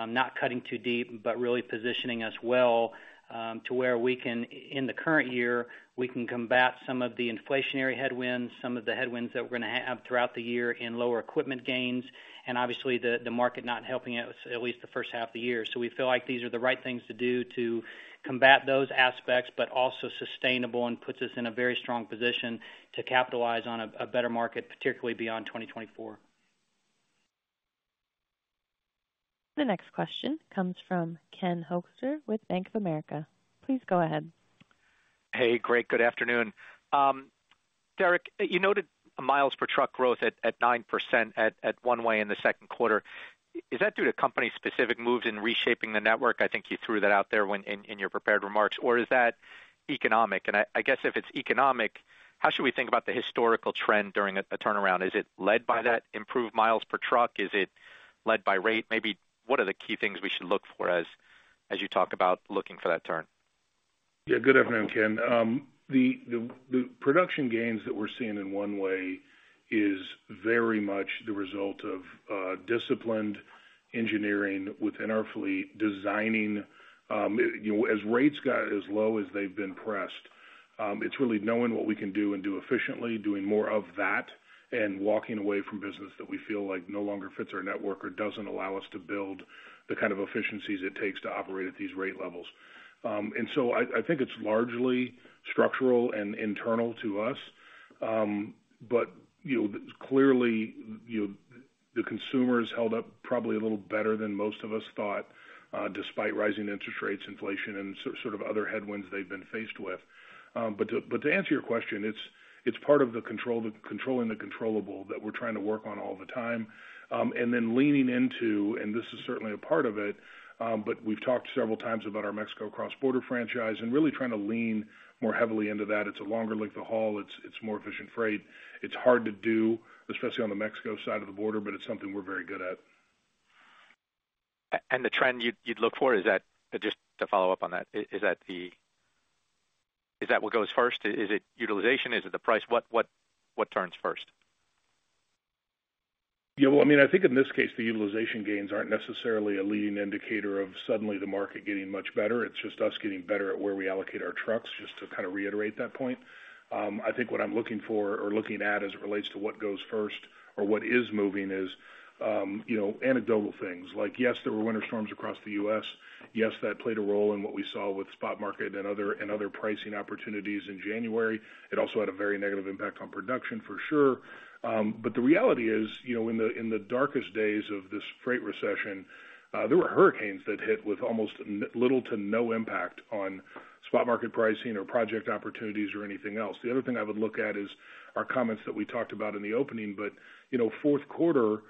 not cutting too deep, but really positioning us well, to where we can, in the current year, we can combat some of the inflationary headwinds, some of the headwinds that we're gonna have throughout the year in lower equipment gains, and obviously, the market not helping us, at least the first half of the year. So we feel like these are the right things to do to combat those aspects, but also sustainable and puts us in a very strong position to capitalize on a better market, particularly beyond 2024. The next question comes from Ken Hoexter with Bank of America. Please go ahead. Hey, great. Good afternoon. Derek, you noted miles per truck growth at 9% at One-Way in the second quarter. Is that due to company-specific moves in reshaping the network? I think you threw that out there when in your prepared remarks, or is that economic? And I guess if it's economic, how should we think about the historical trend during a turnaround? Is it led by that improved miles per truck? Is it led by rate? Maybe what are the key things we should look for as you talk about looking for that turn? Yeah. Good afternoon, Ken. The production gains that we're seeing in One-Way is very much the result of disciplined engineering within our fleet, designing. You know, as rates got as low as they've been pressed, it's really knowing what we can do and do efficiently, doing more of that, and walking away from business that we feel like no longer fits our network or doesn't allow us to build the kind of efficiencies it takes to operate at these rate levels. And so I think it's largely structural and internal to us. But, you know, clearly, you know, the consumer has held up probably a little better than most of us thought, despite rising interest rates, inflation, and sort of other headwinds they've been faced with. But to answer your question, it's part of controlling the controllable that we're trying to work on all the time. And then leaning into, and this is certainly a part of it, but we've talked several times about our Mexico cross-border franchise, and really trying to lean more heavily into that. It's a longer length of haul. It's more efficient freight. It's hard to do, especially on the Mexico side of the border, but it's something we're very good at. And the trend you'd look for is that, just to follow up on that, is that what goes first? Is it utilization? Is it the price? What turns first? Yeah, well, I mean, I think in this case, the utilization gains aren't necessarily a leading indicator of suddenly the market getting much better. It's just us getting better at where we allocate our trucks, just to kind of reiterate that point. I think what I'm looking for or looking at as it relates to what goes first or what is moving is, you know, anecdotal things. Like, yes, there were winter storms across the U.S. Yes, that played a role in what we saw with spot market and other, and other pricing opportunities in January. It also had a very negative impact on production, for sure. But the reality is, you know, in the darkest days of this freight recession, there were hurricanes that hit with almost little to no impact on spot market pricing or project opportunities or anything else. The other thing I would look at is our comments that we talked about in the opening, but, you know, fourth quarter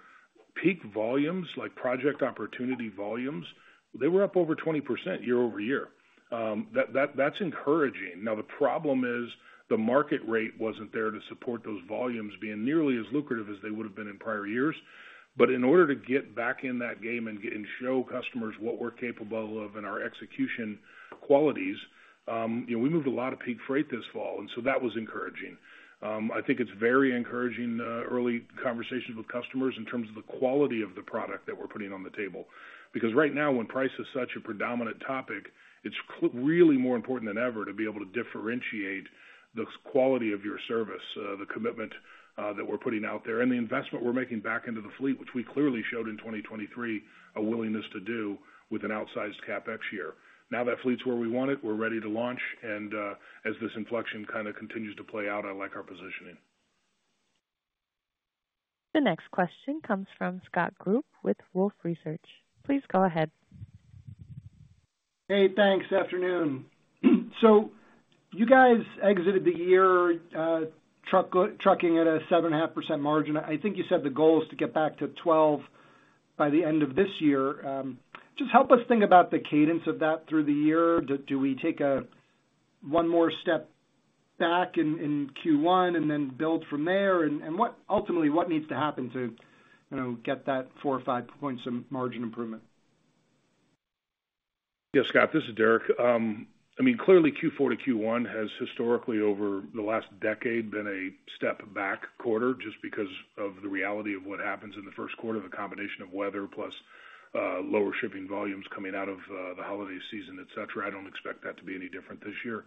peak volumes, like project opportunity volumes, they were up over 20% year-over-year. That's encouraging. Now, the problem is, the market rate wasn't there to support those volumes being nearly as lucrative as they would have been in prior years. But in order to get back in that game and show customers what we're capable of in our execution qualities, you know, we moved a lot of peak freight this fall, and so that was encouraging. I think it's very encouraging, early conversations with customers in terms of the quality of the product that we're putting on the table. Because right now, when price is such a predominant topic, it's really more important than ever to be able to differentiate the quality of your service, the commitment that we're putting out there, and the investment we're making back into the fleet, which we clearly showed in 2023, a willingness to do with an outsized CapEx year. Now that fleet's where we want it, we're ready to launch, and as this inflection kind of continues to play out, I like our positioning. The next question comes from Scott Group with Wolfe Research. Please go ahead. Hey, thanks, afternoon. So you guys exited the year trucking at a 7.5% margin. I think you said the goal is to get back to 12% by the end of this year. Just help us think about the cadence of that through the year. Do we take one more step back in Q1 and then build from there? And ultimately, what needs to happen to, you know, get that 4 or 5 points of margin improvement? Yeah, Scott, this is Derek. I mean, clearly Q4 to Q1 has historically, over the last decade, been a step back quarter, just because of the reality of what happens in the first quarter, the combination of weather plus lower shipping volumes coming out of the holiday season, et cetera. I don't expect that to be any different this year,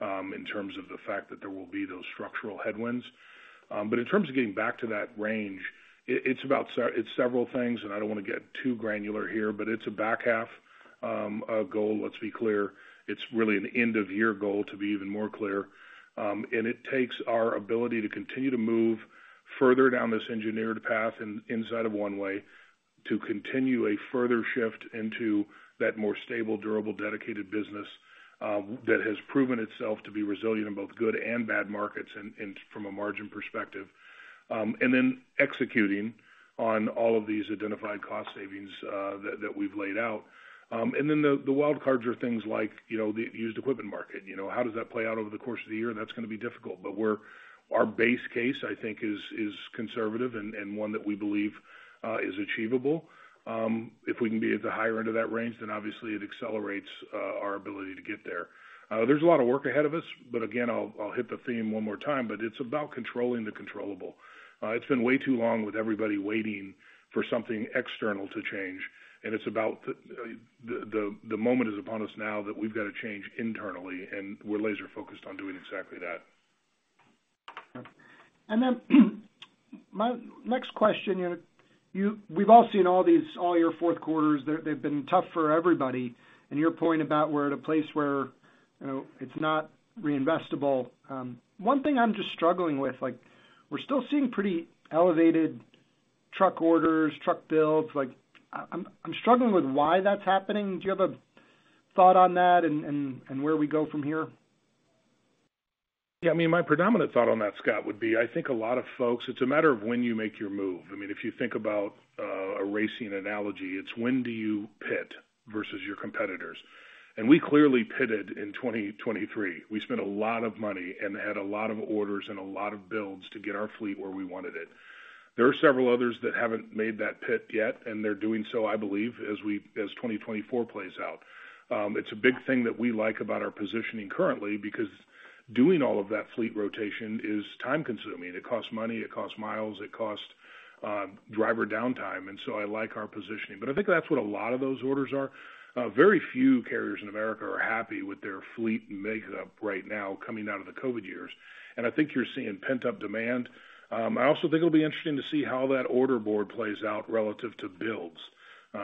in terms of the fact that there will be those structural headwinds. But in terms of getting back to that range, it's several things, and I don't want to get too granular here, but it's a back half goal. Let's be clear, it's really an end-of-year goal to be even more clear. And it takes our ability to continue to move further down this engineered path inside of One-Way, to continue a further shift into that more stable, durable, dedicated business, that has proven itself to be resilient in both good and bad markets and, and from a margin perspective. And then executing on all of these identified cost savings, that we've laid out. And then the wild cards are things like, you know, the used equipment market. You know, how does that play out over the course of the year? That's going to be difficult, but our base case, I think, is conservative and one that we believe is achievable. If we can be at the higher end of that range, then obviously it accelerates our ability to get there. There's a lot of work ahead of us, but again, I'll hit the theme one more time, but it's about controlling the controllable. It's been way too long with everybody waiting for something external to change, and it's about the moment is upon us now that we've got to change internally, and we're laser focused on doing exactly that. And then, my next question. You know, you've all seen all these, all your fourth quarters, they've been tough for everybody. And your point about we're at a place where, you know, it's not reinvestable. One thing I'm just struggling with, like, we're still seeing pretty elevated truck orders, truck builds, like, I'm struggling with why that's happening. Do you have a thought on that and where we go from here? Yeah, I mean, my predominant thought on that, Scott, would be, I think a lot of folks, it's a matter of when you make your move. I mean, if you think about a racing analogy, it's when do you pit versus your competitors? And we clearly pitted in 2023. We spent a lot of money and had a lot of orders and a lot of builds to get our fleet where we wanted it. There are several others that haven't made that pit yet, and they're doing so, I believe, as 2024 plays out. It's a big thing that we like about our positioning currently, because doing all of that fleet rotation is time-consuming. It costs money, it costs miles, it costs driver downtime, and so I like our positioning. But I think that's what a lot of those orders are. Very few carriers in America are happy with their fleet makeup right now, coming out of the COVID years, and I think you're seeing pent-up demand. I also think it'll be interesting to see how that order board plays out relative to builds,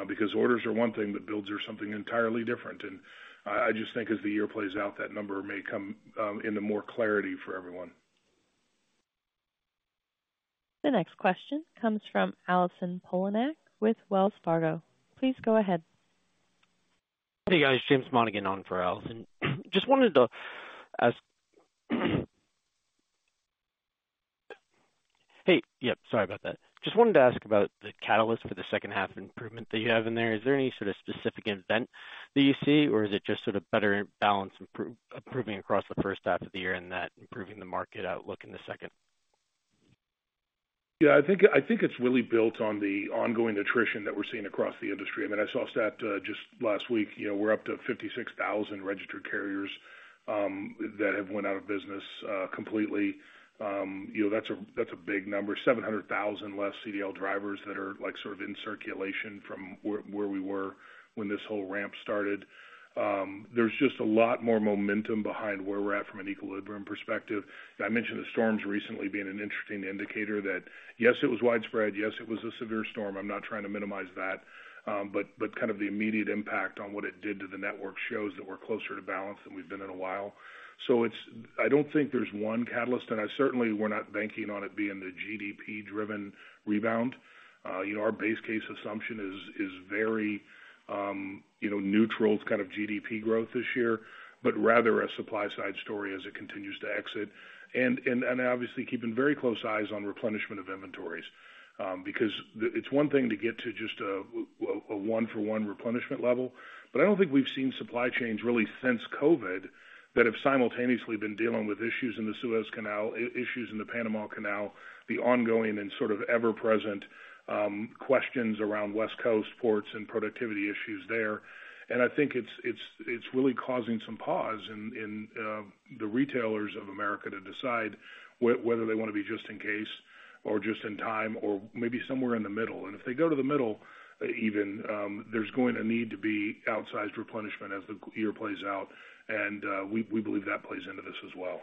because orders are one thing, but builds are something entirely different. And I just think as the year plays out, that number may come into more clarity for everyone. The next question comes from Allison Poliniak with Wells Fargo. Please go ahead. Hey, guys. Jim Monaghan on for Allison. Just wanted to ask about the catalyst for the second half improvement that you have in there. Is there any sort of specific event that you see, or is it just sort of better balance improving across the first half of the year and that improving the market outlook in the second? Yeah, I think it's really built on the ongoing attrition that we're seeing across the industry. I mean, I saw a stat just last week, you know, we're up to 56,000 registered carriers that have went out of business completely. You know, that's a big number. 700,000 less CDL drivers that are, like, sort of in circulation from where we were when this whole ramp started. There's just a lot more momentum behind where we're at from an equilibrium perspective. I mentioned the storms recently being an interesting indicator that, yes, it was widespread, yes, it was a severe storm. I'm not trying to minimize that, but kind of the immediate impact on what it did to the network shows that we're closer to balance than we've been in a while. So it's... I don't think there's one catalyst, and I certainly, we're not banking on it being the GDP-driven rebound. You know, our base case assumption is very neutral. It's kind of GDP growth this year, but rather a supply side story as it continues to exit. And obviously, keeping very close eyes on replenishment of inventories, because it's one thing to get to just a one-for-one replenishment level, but I don't think we've seen supply chains really since COVID that have simultaneously been dealing with issues in the Suez Canal, issues in the Panama Canal, the ongoing and sort of ever-present questions around West Coast ports and productivity issues there. And I think it's really causing some pause in the retailers of America to decide whether they want to be just in case or just in time, or maybe somewhere in the middle. And if they go to the middle, even, there's going to need to be outsized replenishment as the year plays out, and we believe that plays into this as well.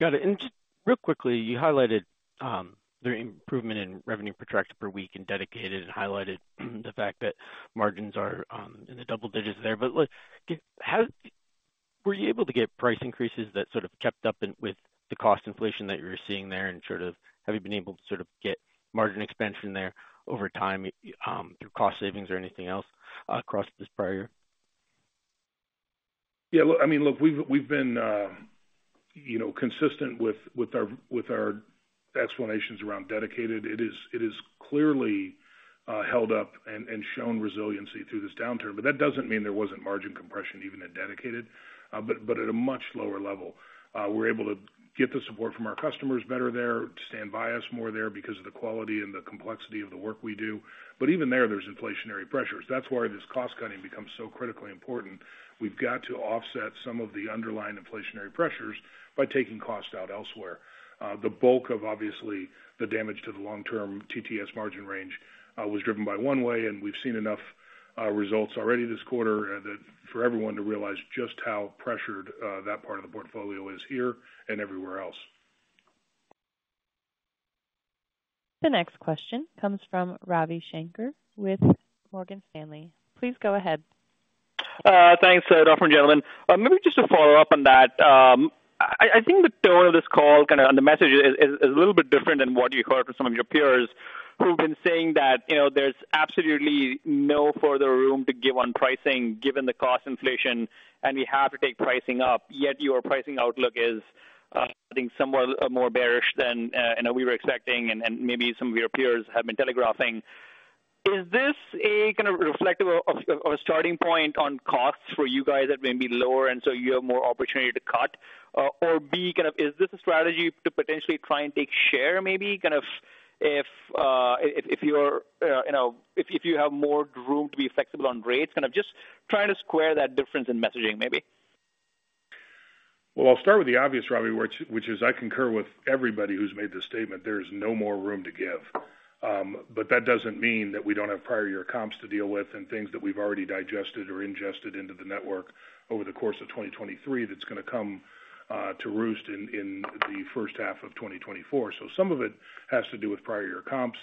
Got it. Just real quickly, you highlighted the improvement in revenue per tractor per week in dedicated and highlighted the fact that margins are in the double digits there. But look, how were you able to get price increases that sort of kept up with the cost inflation that you're seeing there, and sort of have you been able to sort of get margin expansion there over time through cost savings or anything else across this prior year? Yeah, look, I mean, look, we've been, you know, consistent with our explanations around dedicated. It is clearly held up and shown resiliency through this downturn. But that doesn't mean there wasn't margin compression even in dedicated, but at a much lower level. We're able to get the support from our customers better there, to stand by us more there because of the quality and the complexity of the work we do. But even there, there's inflationary pressures. That's why this cost cutting becomes so critically important. We've got to offset some of the underlying inflationary pressures by taking costs out elsewhere. The bulk of obviously the damage to the long-term TTS margin range was driven by One-Way, and we've seen enough results already this quarter that for everyone to realize just how pressured that part of the portfolio is here and everywhere else. The next question comes from Ravi Shanker with Morgan Stanley. Please go ahead. Thanks, ladies and gentlemen. Maybe just to follow up on that, I think the tone of this call, kind of, and the message is a little bit different than what you heard from some of your peers, who've been saying that, you know, there's absolutely no further room to give on pricing given the cost inflation, and we have to take pricing up. Yet your pricing outlook is, I think, somewhat more bearish than, you know, we were expecting and maybe some of your peers have been telegraphing. Is this kind of reflective of a starting point on costs for you guys that may be lower, and so you have more opportunity to cut? Or B, kind of, is this a strategy to potentially try and take share, maybe? Kind of, if you're, you know, if you have more room to be flexible on rates. Kind of just trying to square that difference in messaging, maybe. Well, I'll start with the obvious, Ravi, which is I concur with everybody who's made this statement. There is no more room to give. But that doesn't mean that we don't have prior year comps to deal with and things that we've already digested or ingested into the network over the course of 2023, that's going to come to roost in the first half of 2024. So some of it has to do with prior year comps.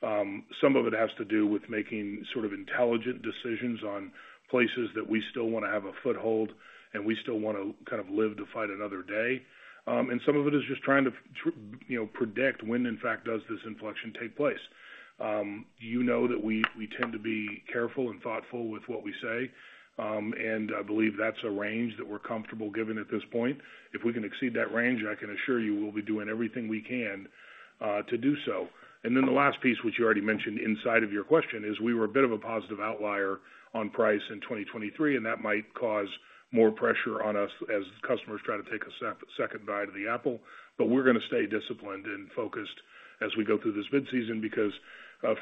Some of it has to do with making sort of intelligent decisions on places that we still want to have a foothold, and we still want to kind of live to fight another day. And some of it is just trying to, you know, predict when, in fact, does this inflection take place? You know that we tend to be careful and thoughtful with what we say, and I believe that's a range that we're comfortable giving at this point. If we can exceed that range, I can assure you we'll be doing everything we can to do so. And then the last piece, which you already mentioned inside of your question, is we were a bit of a positive outlier on price in 2023, and that might cause more pressure on us as customers try to take a second bite of the apple. But we're going to stay disciplined and focused as we go through this bid-season, because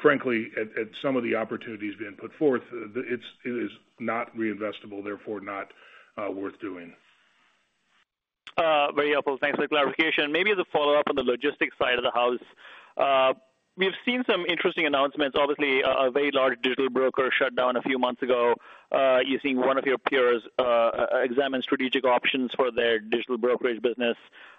frankly, at some of the opportunities being put forth, it is not reinvestable, therefore not worth doing. Very helpful. Thanks for the clarification. Maybe as a follow-up on the logistics side of the house. We've seen some interesting announcements. Obviously, a very large digital broker shut down a few months ago. You've seen one of your peers examine strategic options for their digital brokerage business.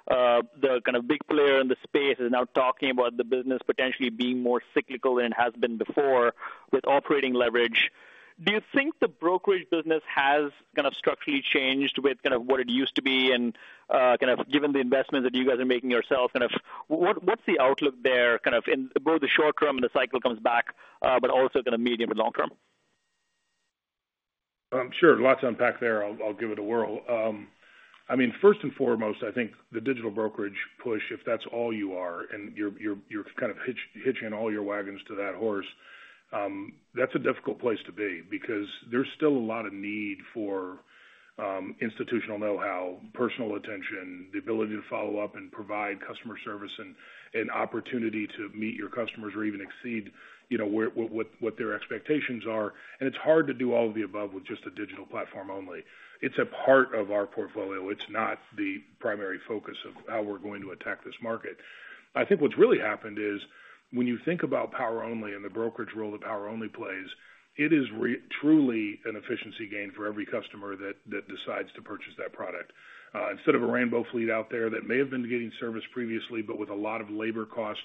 The kind of big player in the space is now talking about the business potentially being more cyclical than it has been before with operating leverage. Do you think the brokerage business has kind of structurally changed with kind of what it used to be, and kind of given the investments that you guys are making yourselves, kind of what, what's the outlook there, kind of in both the short term, when the cycle comes back, but also kind of medium and long term? Sure. Lots to unpack there. I'll give it a whirl. I mean, first and foremost, I think the digital brokerage push, if that's all you are, and you're kind of hitching all your wagons to that horse, that's a difficult place to be because there's still a lot of need for institutional know-how, personal attention, the ability to follow up and provide customer service and opportunity to meet your customers or even exceed, you know, what their expectations are. And it's hard to do all of the above with just a digital platform only. It's a part of our portfolio. It's not the primary focus of how we're going to attack this market. I think what's really happened is, when you think about Power-Only and the brokerage role that Power-Only plays, it is truly an efficiency gain for every customer that decides to purchase that product. Instead of a rainbow fleet out there that may have been getting service previously, but with a lot of labor cost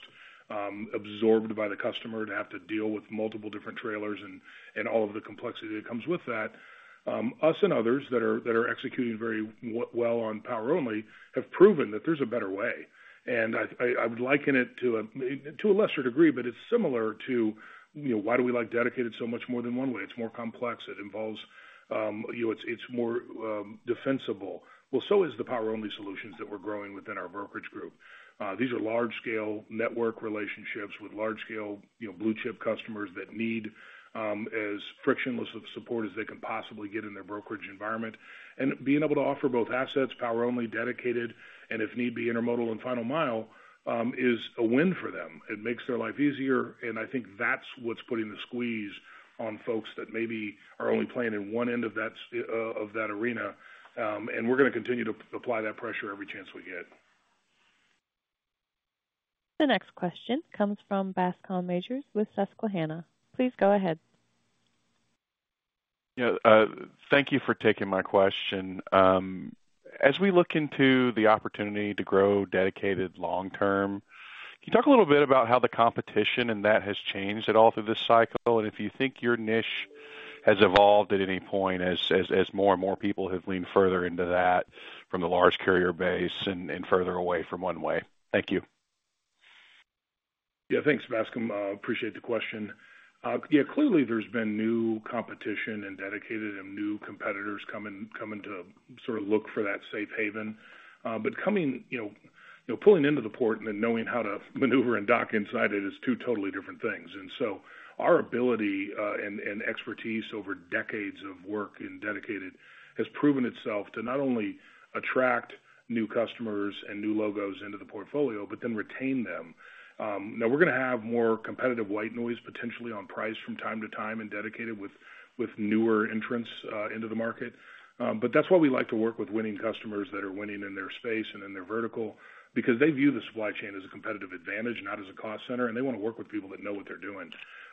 absorbed by the customer to have to deal with multiple different trailers and all of the complexity that comes with that, us and others that are executing very well on Power-Only have proven that there's a better way. And I would liken it to a lesser degree, but it's similar to, you know, why do we like dedicated so much more than One-Way? It's more complex. It involves, you know, it's more defensible. Well, so is the Power-Only solutions that we're growing within our brokerage group. These are large-scale network relationships with large-scale, you know, blue chip customers that need as frictionless of support as they can possibly get in their brokerage environment. And being able to offer both assets, Power-Only, dedicated, and if need be, Intermodal and Final Mile is a win for them. It makes their life easier, and I think that's what's putting the squeeze on folks that maybe are only playing in one end of that of that arena. And we're going to continue to apply that pressure every chance we get. The next question comes from Bascome Majors with Susquehanna. Please go ahead. Yeah, thank you for taking my question. As we look into the opportunity to grow dedicated long term, can you talk a little bit about how the competition in that has changed at all through this cycle? And if you think your niche has evolved at any point as more and more people have leaned further into that from the large carrier base and further away from One-Way? Thank you. Yeah, thanks, Bascome. Appreciate the question. Yeah, clearly, there's been new competition in dedicated and new competitors coming to sort of look for that safe haven. But you know, you know, pulling into the port and then knowing how to maneuver and dock inside it is two totally different things. And so our ability and expertise over decades of work in dedicated has proven itself to not only attract new customers and new logos into the portfolio, but then retain them. Now we're going to have more competitive white noise, potentially on price from time to time in dedicated with newer entrants into the market. But that's why we like to work with winning customers that are winning in their space and in their vertical, because they view the supply chain as a competitive advantage, not as a cost center, and they want to work with people that know what they're doing.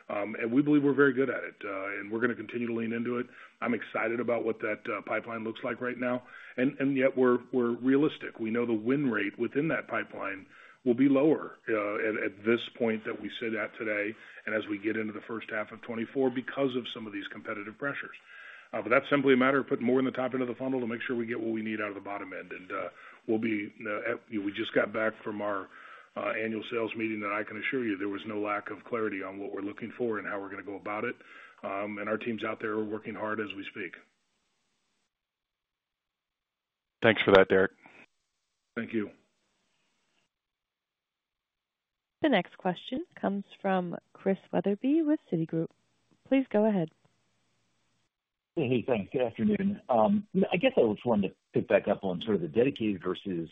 And we believe we're very good at it, and we're going to continue to lean into it. I'm excited about what that pipeline looks like right now. And yet we're realistic. We know the win rate within that pipeline will be lower at this point that we sit at today and as we get into the first half of 2024 because of some of these competitive pressures. But that's simply a matter of putting more in the top end of the funnel to make sure we get what we need out of the bottom end. And, we'll be... We just got back from our annual sales meeting, and I can assure you there was no lack of clarity on what we're looking for and how we're going to go about it. And our teams out there are working hard as we speak. Thanks for that, Derek. Thank you. The next question comes from Chris Wetherbee with Citigroup. Please go ahead. Hey, thanks. Good afternoon. I guess I just wanted to pick back up on sort of the dedicated versus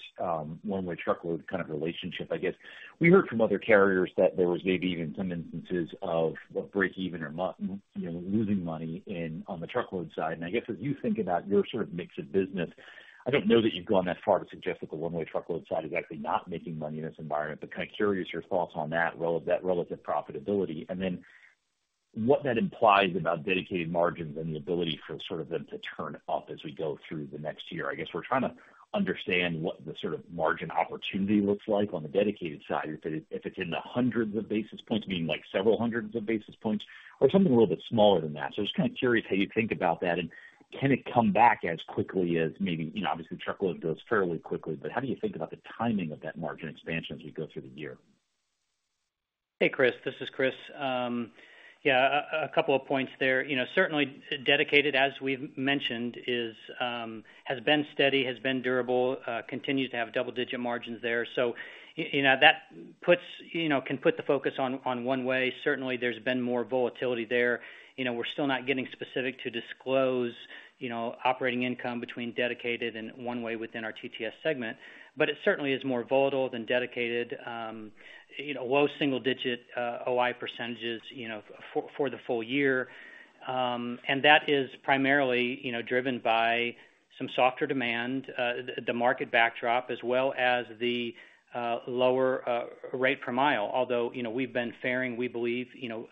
One-Way Truckload kind of relationship, I guess. We heard from other carriers that there was maybe even some instances of, well, breakeven or you know, losing money in, on the truckload side. And I guess, as you think about your sort of mix of business, I don't know that you've gone that far to suggest that the One-Way Truckload side is actually not making money in this environment, but kind of curious your thoughts on that that relative profitability. And then what that implies about dedicated margins and the ability for sort of them to turn up as we go through the next year. I guess we're trying to understand what the sort of margin opportunity looks like on the dedicated side. If it's in the hundreds of basis points, meaning like several hundreds of basis points, or something a little bit smaller than that. So just kind of curious how you think about that, and can it come back as quickly as maybe, you know, obviously, truckload goes fairly quickly, but how do you think about the timing of that margin expansion as we go through the year? Hey, Chris, this is Chris. Yeah, a couple of points there. You know, certainly dedicated, as we've mentioned, is, has been steady, has been durable, continues to have double-digit margins there. So, you know, that puts, you know, can put the focus on, on One-Way. Certainly, there's been more volatility there. You know, we're still not getting specific to disclose, you know, operating income between dedicated and One-Way within our TTS segment, but it certainly is more volatile than dedicated. You know, low single-digit OI percentages, you know, for the full year. And that is primarily, you know, driven by some softer demand, the market backdrop, as well as the lower rate per mile. Although, you know, we've been faring, we believe, you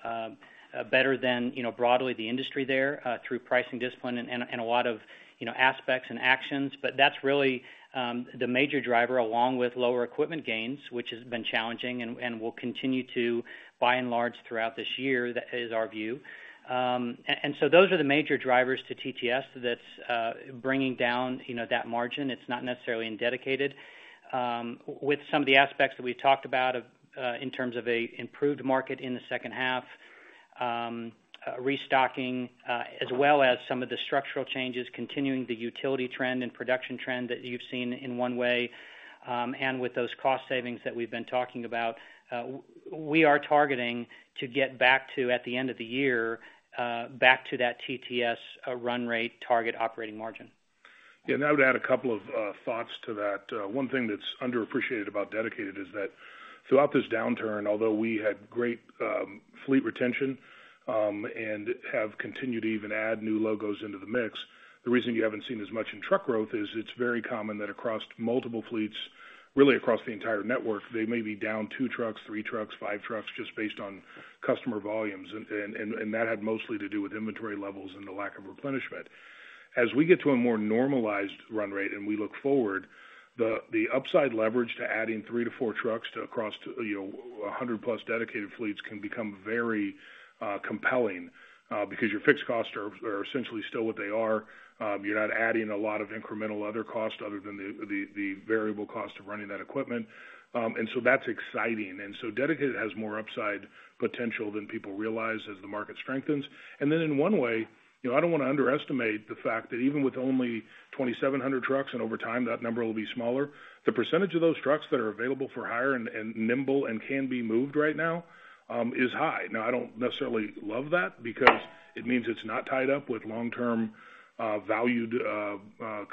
know, better than, you know, broadly the industry there through pricing discipline and a lot of, you know, aspects and actions. But that's really the major driver, along with lower equipment gains, which has been challenging and will continue to, by and large, throughout this year, that is our view. So those are the major drivers to TTS that's bringing down, you know, that margin. It's not necessarily in dedicated. With some of the aspects that we've talked about of, in terms of an improved market in the second half, restocking, as well as some of the structural changes, continuing the utility trend and production trend that you've seen in One-Way, and with those cost savings that we've been talking about, we are targeting to get back to, at the end of the year, back to that TTS run rate target operating margin. Yeah, and I would add a couple of thoughts to that. One thing that's underappreciated about dedicated is that throughout this downturn, although we had great fleet retention, and have continued to even add new logos into the mix, the reason you haven't seen as much in truck growth is it's very common that across multiple fleets, really across the entire network, they may be down two trucks, three trucks, five trucks, just based on customer volumes. And that had mostly to do with inventory levels and the lack of replenishment. As we get to a more normalized run rate, and we look forward, the upside leverage to adding 3-4 trucks to across, you know, 100+ dedicated fleets can become very compelling, because your fixed costs are essentially still what they are. You're not adding a lot of incremental other costs other than the variable cost of running that equipment. And so that's exciting. And so dedicated has more upside potential than people realize as the market strengthens. And then in One-Way, you know, I don't want to underestimate the fact that even with only 2,700 trucks, and over time, that number will be smaller, the percentage of those trucks that are available for hire and nimble and can be moved right now is high. Now, I don't necessarily love that because it means it's not tied up with long-term valued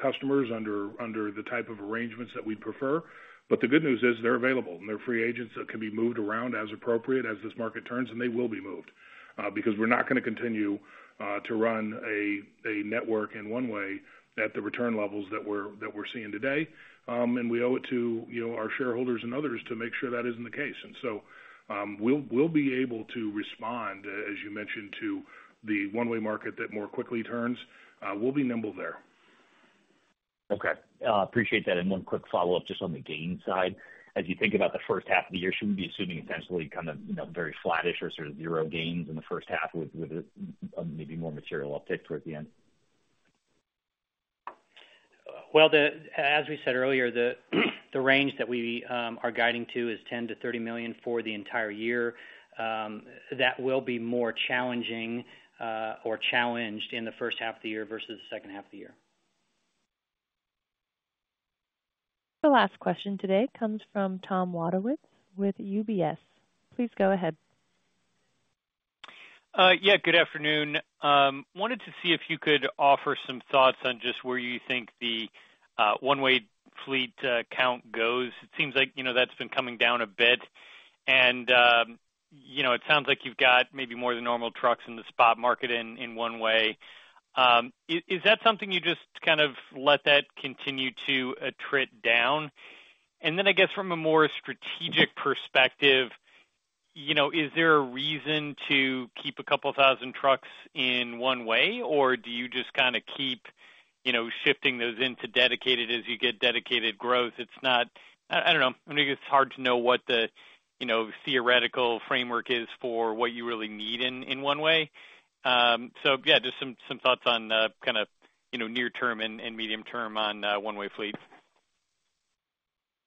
customers under the type of arrangements that we'd prefer. But the good news is they're available, and they're free agents that can be moved around as appropriate as this market turns, and they will be moved, because we're not going to continue to run a network in One-Way at the return levels that we're seeing today. We owe it to, you know, our shareholders and others to make sure that isn't the case. So, we'll be able to respond, as you mentioned, to the One-Way market that more quickly turns. We'll be nimble there. Okay, appreciate that. One quick follow-up, just on the gain side. As you think about the first half of the year, should we be assuming essentially kind of, you know, very flattish or sort of zero gains in the first half with, maybe more material uptick toward the end? Well, as we said earlier, the range that we are guiding to is $10 million-$30 million for the entire year. That will be more challenging or challenged in the first half of the year versus the second half of the year. The last question today comes from Tom Wadewitz with UBS. Please go ahead. Yeah, good afternoon. Wanted to see if you could offer some thoughts on just where you think the One-Way fleet count goes. It seems like, you know, that's been coming down a bit, and, you know, it sounds like you've got maybe more than normal trucks in the spot market in One-Way. Is that something you just kind of let that continue to trend down? And then I guess from a more strategic perspective, you know, is there a reason to keep 2,000 trucks in One-Way, or do you just kinda keep, you know, shifting those into dedicated as you get dedicated growth? It's not... I don't know, maybe it's hard to know what the, you know, theoretical framework is for what you really need in One-Way. So yeah, just some, some thoughts on, kinda, you know, near term and, and medium term on One-Way fleet.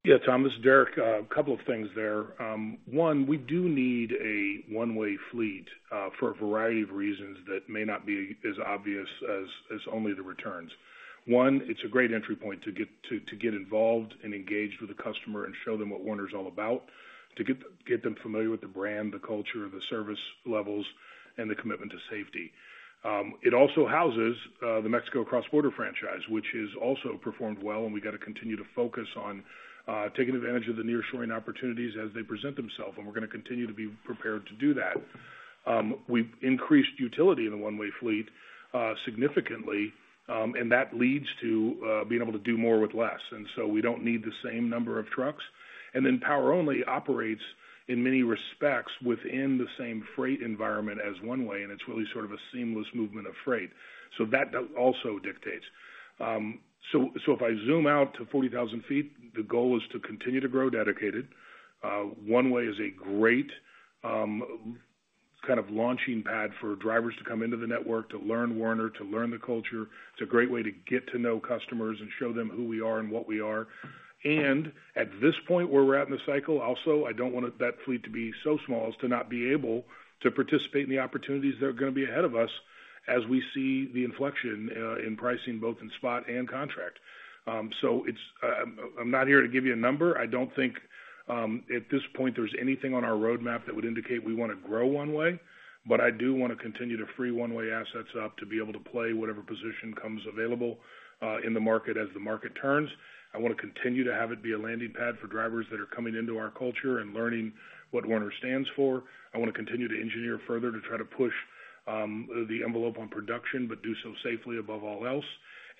Yeah, Tom, this is Derek. A couple of things there. One, we do need a One-Way fleet for a variety of reasons that may not be as obvious as only the returns. One, it's a great entry point to get involved and engaged with the customer and show them what Werner is all about, to get them familiar with the brand, the culture, the service levels, and the commitment to safety. It also houses the Mexico cross-border franchise, which has also performed well, and we've got to continue to focus on taking advantage of the nearshoring opportunities as they present themselves, and we're going to continue to be prepared to do that. We've increased utility in the One-Way fleet significantly, and that leads to being able to do more with less, and so we don't need the same number of trucks. Then Power-Only operates in many respects within the same freight environment as One-Way, and it's really sort of a seamless movement of freight, so that also dictates. So if I zoom out to 40,000 feet, the goal is to continue to grow dedicated. One-Way is a great kind of launching pad for drivers to come into the network, to learn Werner, to learn the culture. It's a great way to get to know customers and show them who we are and what we are. At this point, where we're at in the cycle, also, I don't want it, that fleet to be so small as to not be able to participate in the opportunities that are going to be ahead of us as we see the inflection in pricing, both in spot and contract. So it's... I'm not here to give you a number. I don't think, at this point, there's anything on our roadmap that would indicate we want to grow One-Way, but I do want to continue to free One-Way assets up to be able to play whatever position comes available in the market as the market turns. I want to continue to have it be a landing pad for drivers that are coming into our culture and learning what Werner stands for. I want to continue to engineer further to try to push the envelope on production, but do so safely above all else.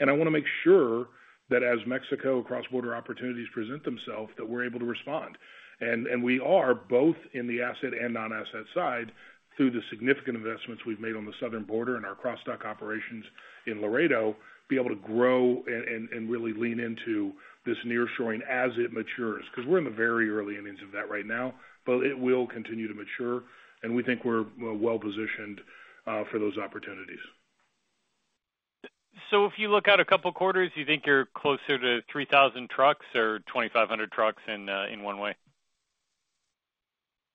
I want to make sure that as Mexico cross-border opportunities present themselves, that we're able to respond. We are, both in the asset and non-asset side, through the significant investments we've made on the southern border and our cross-dock operations in Laredo, be able to grow and really lean into this nearshoring as it matures. 'Cause we're in the very early innings of that right now, but it will continue to mature, and we think we're well-positioned for those opportunities. So if you look out a couple of quarters, you think you're closer to 3,000 trucks or 2,500 trucks in One-Way?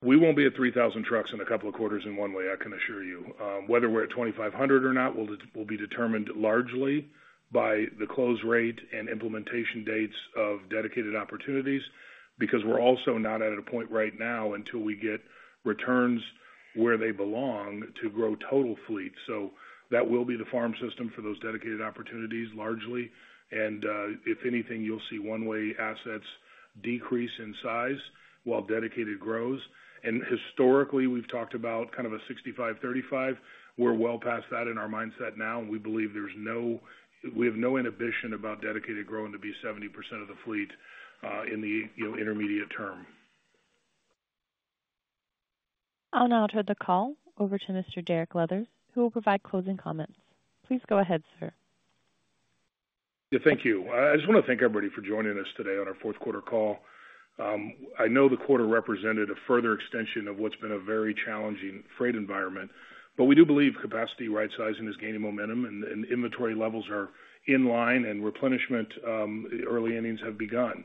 We won't be at 3,000 trucks in a couple of quarters in One-Way, I can assure you. Whether we're at 2,500 or not, will be determined largely by the close rate and implementation dates of dedicated opportunities, because we're also not at a point right now until we get returns where they belong, to grow total fleet. So that will be the farm system for those dedicated opportunities, largely. And, if anything, you'll see One-Way assets decrease in size while dedicated grows. And historically, we've talked about kind of a 65-35. We're well past that in our mindset now, and we believe there's no... We have no inhibition about dedicated growing to be 70% of the fleet, in the, you know, intermediate term. I'll now turn the call over to Mr. Derek Leathers, who will provide closing comments. Please go ahead, sir. Yeah, thank you. I just want to thank everybody for joining us today on our fourth quarter call. I know the quarter represented a further extension of what's been a very challenging freight environment, but we do believe capacity right-sizing is gaining momentum, and, and inventory levels are in line, and replenishment early innings have begun.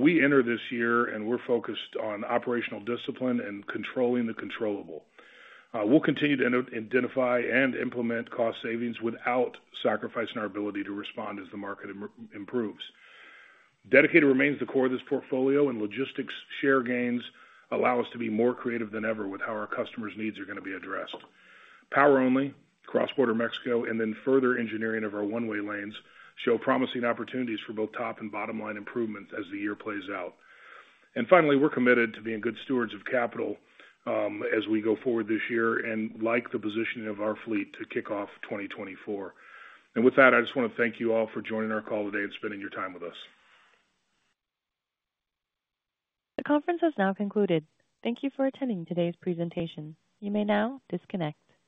We enter this year, and we're focused on operational discipline and controlling the controllable. We'll continue to identify and implement cost savings without sacrificing our ability to respond as the market improves. Dedicated remains the core of this portfolio, and logistics share gains allow us to be more creative than ever with how our customers' needs are going to be addressed. Power-Only, Cross-Border Mexico, and then further engineering of our One-Way lanes, show promising opportunities for both top and bottom-line improvements as the year plays out. Finally, we're committed to being good stewards of capital, as we go forward this year, and like the positioning of our fleet to kick off 2024. With that, I just want to thank you all for joining our call today and spending your time with us. The conference has now concluded. Thank you for attending today's presentation. You may now disconnect.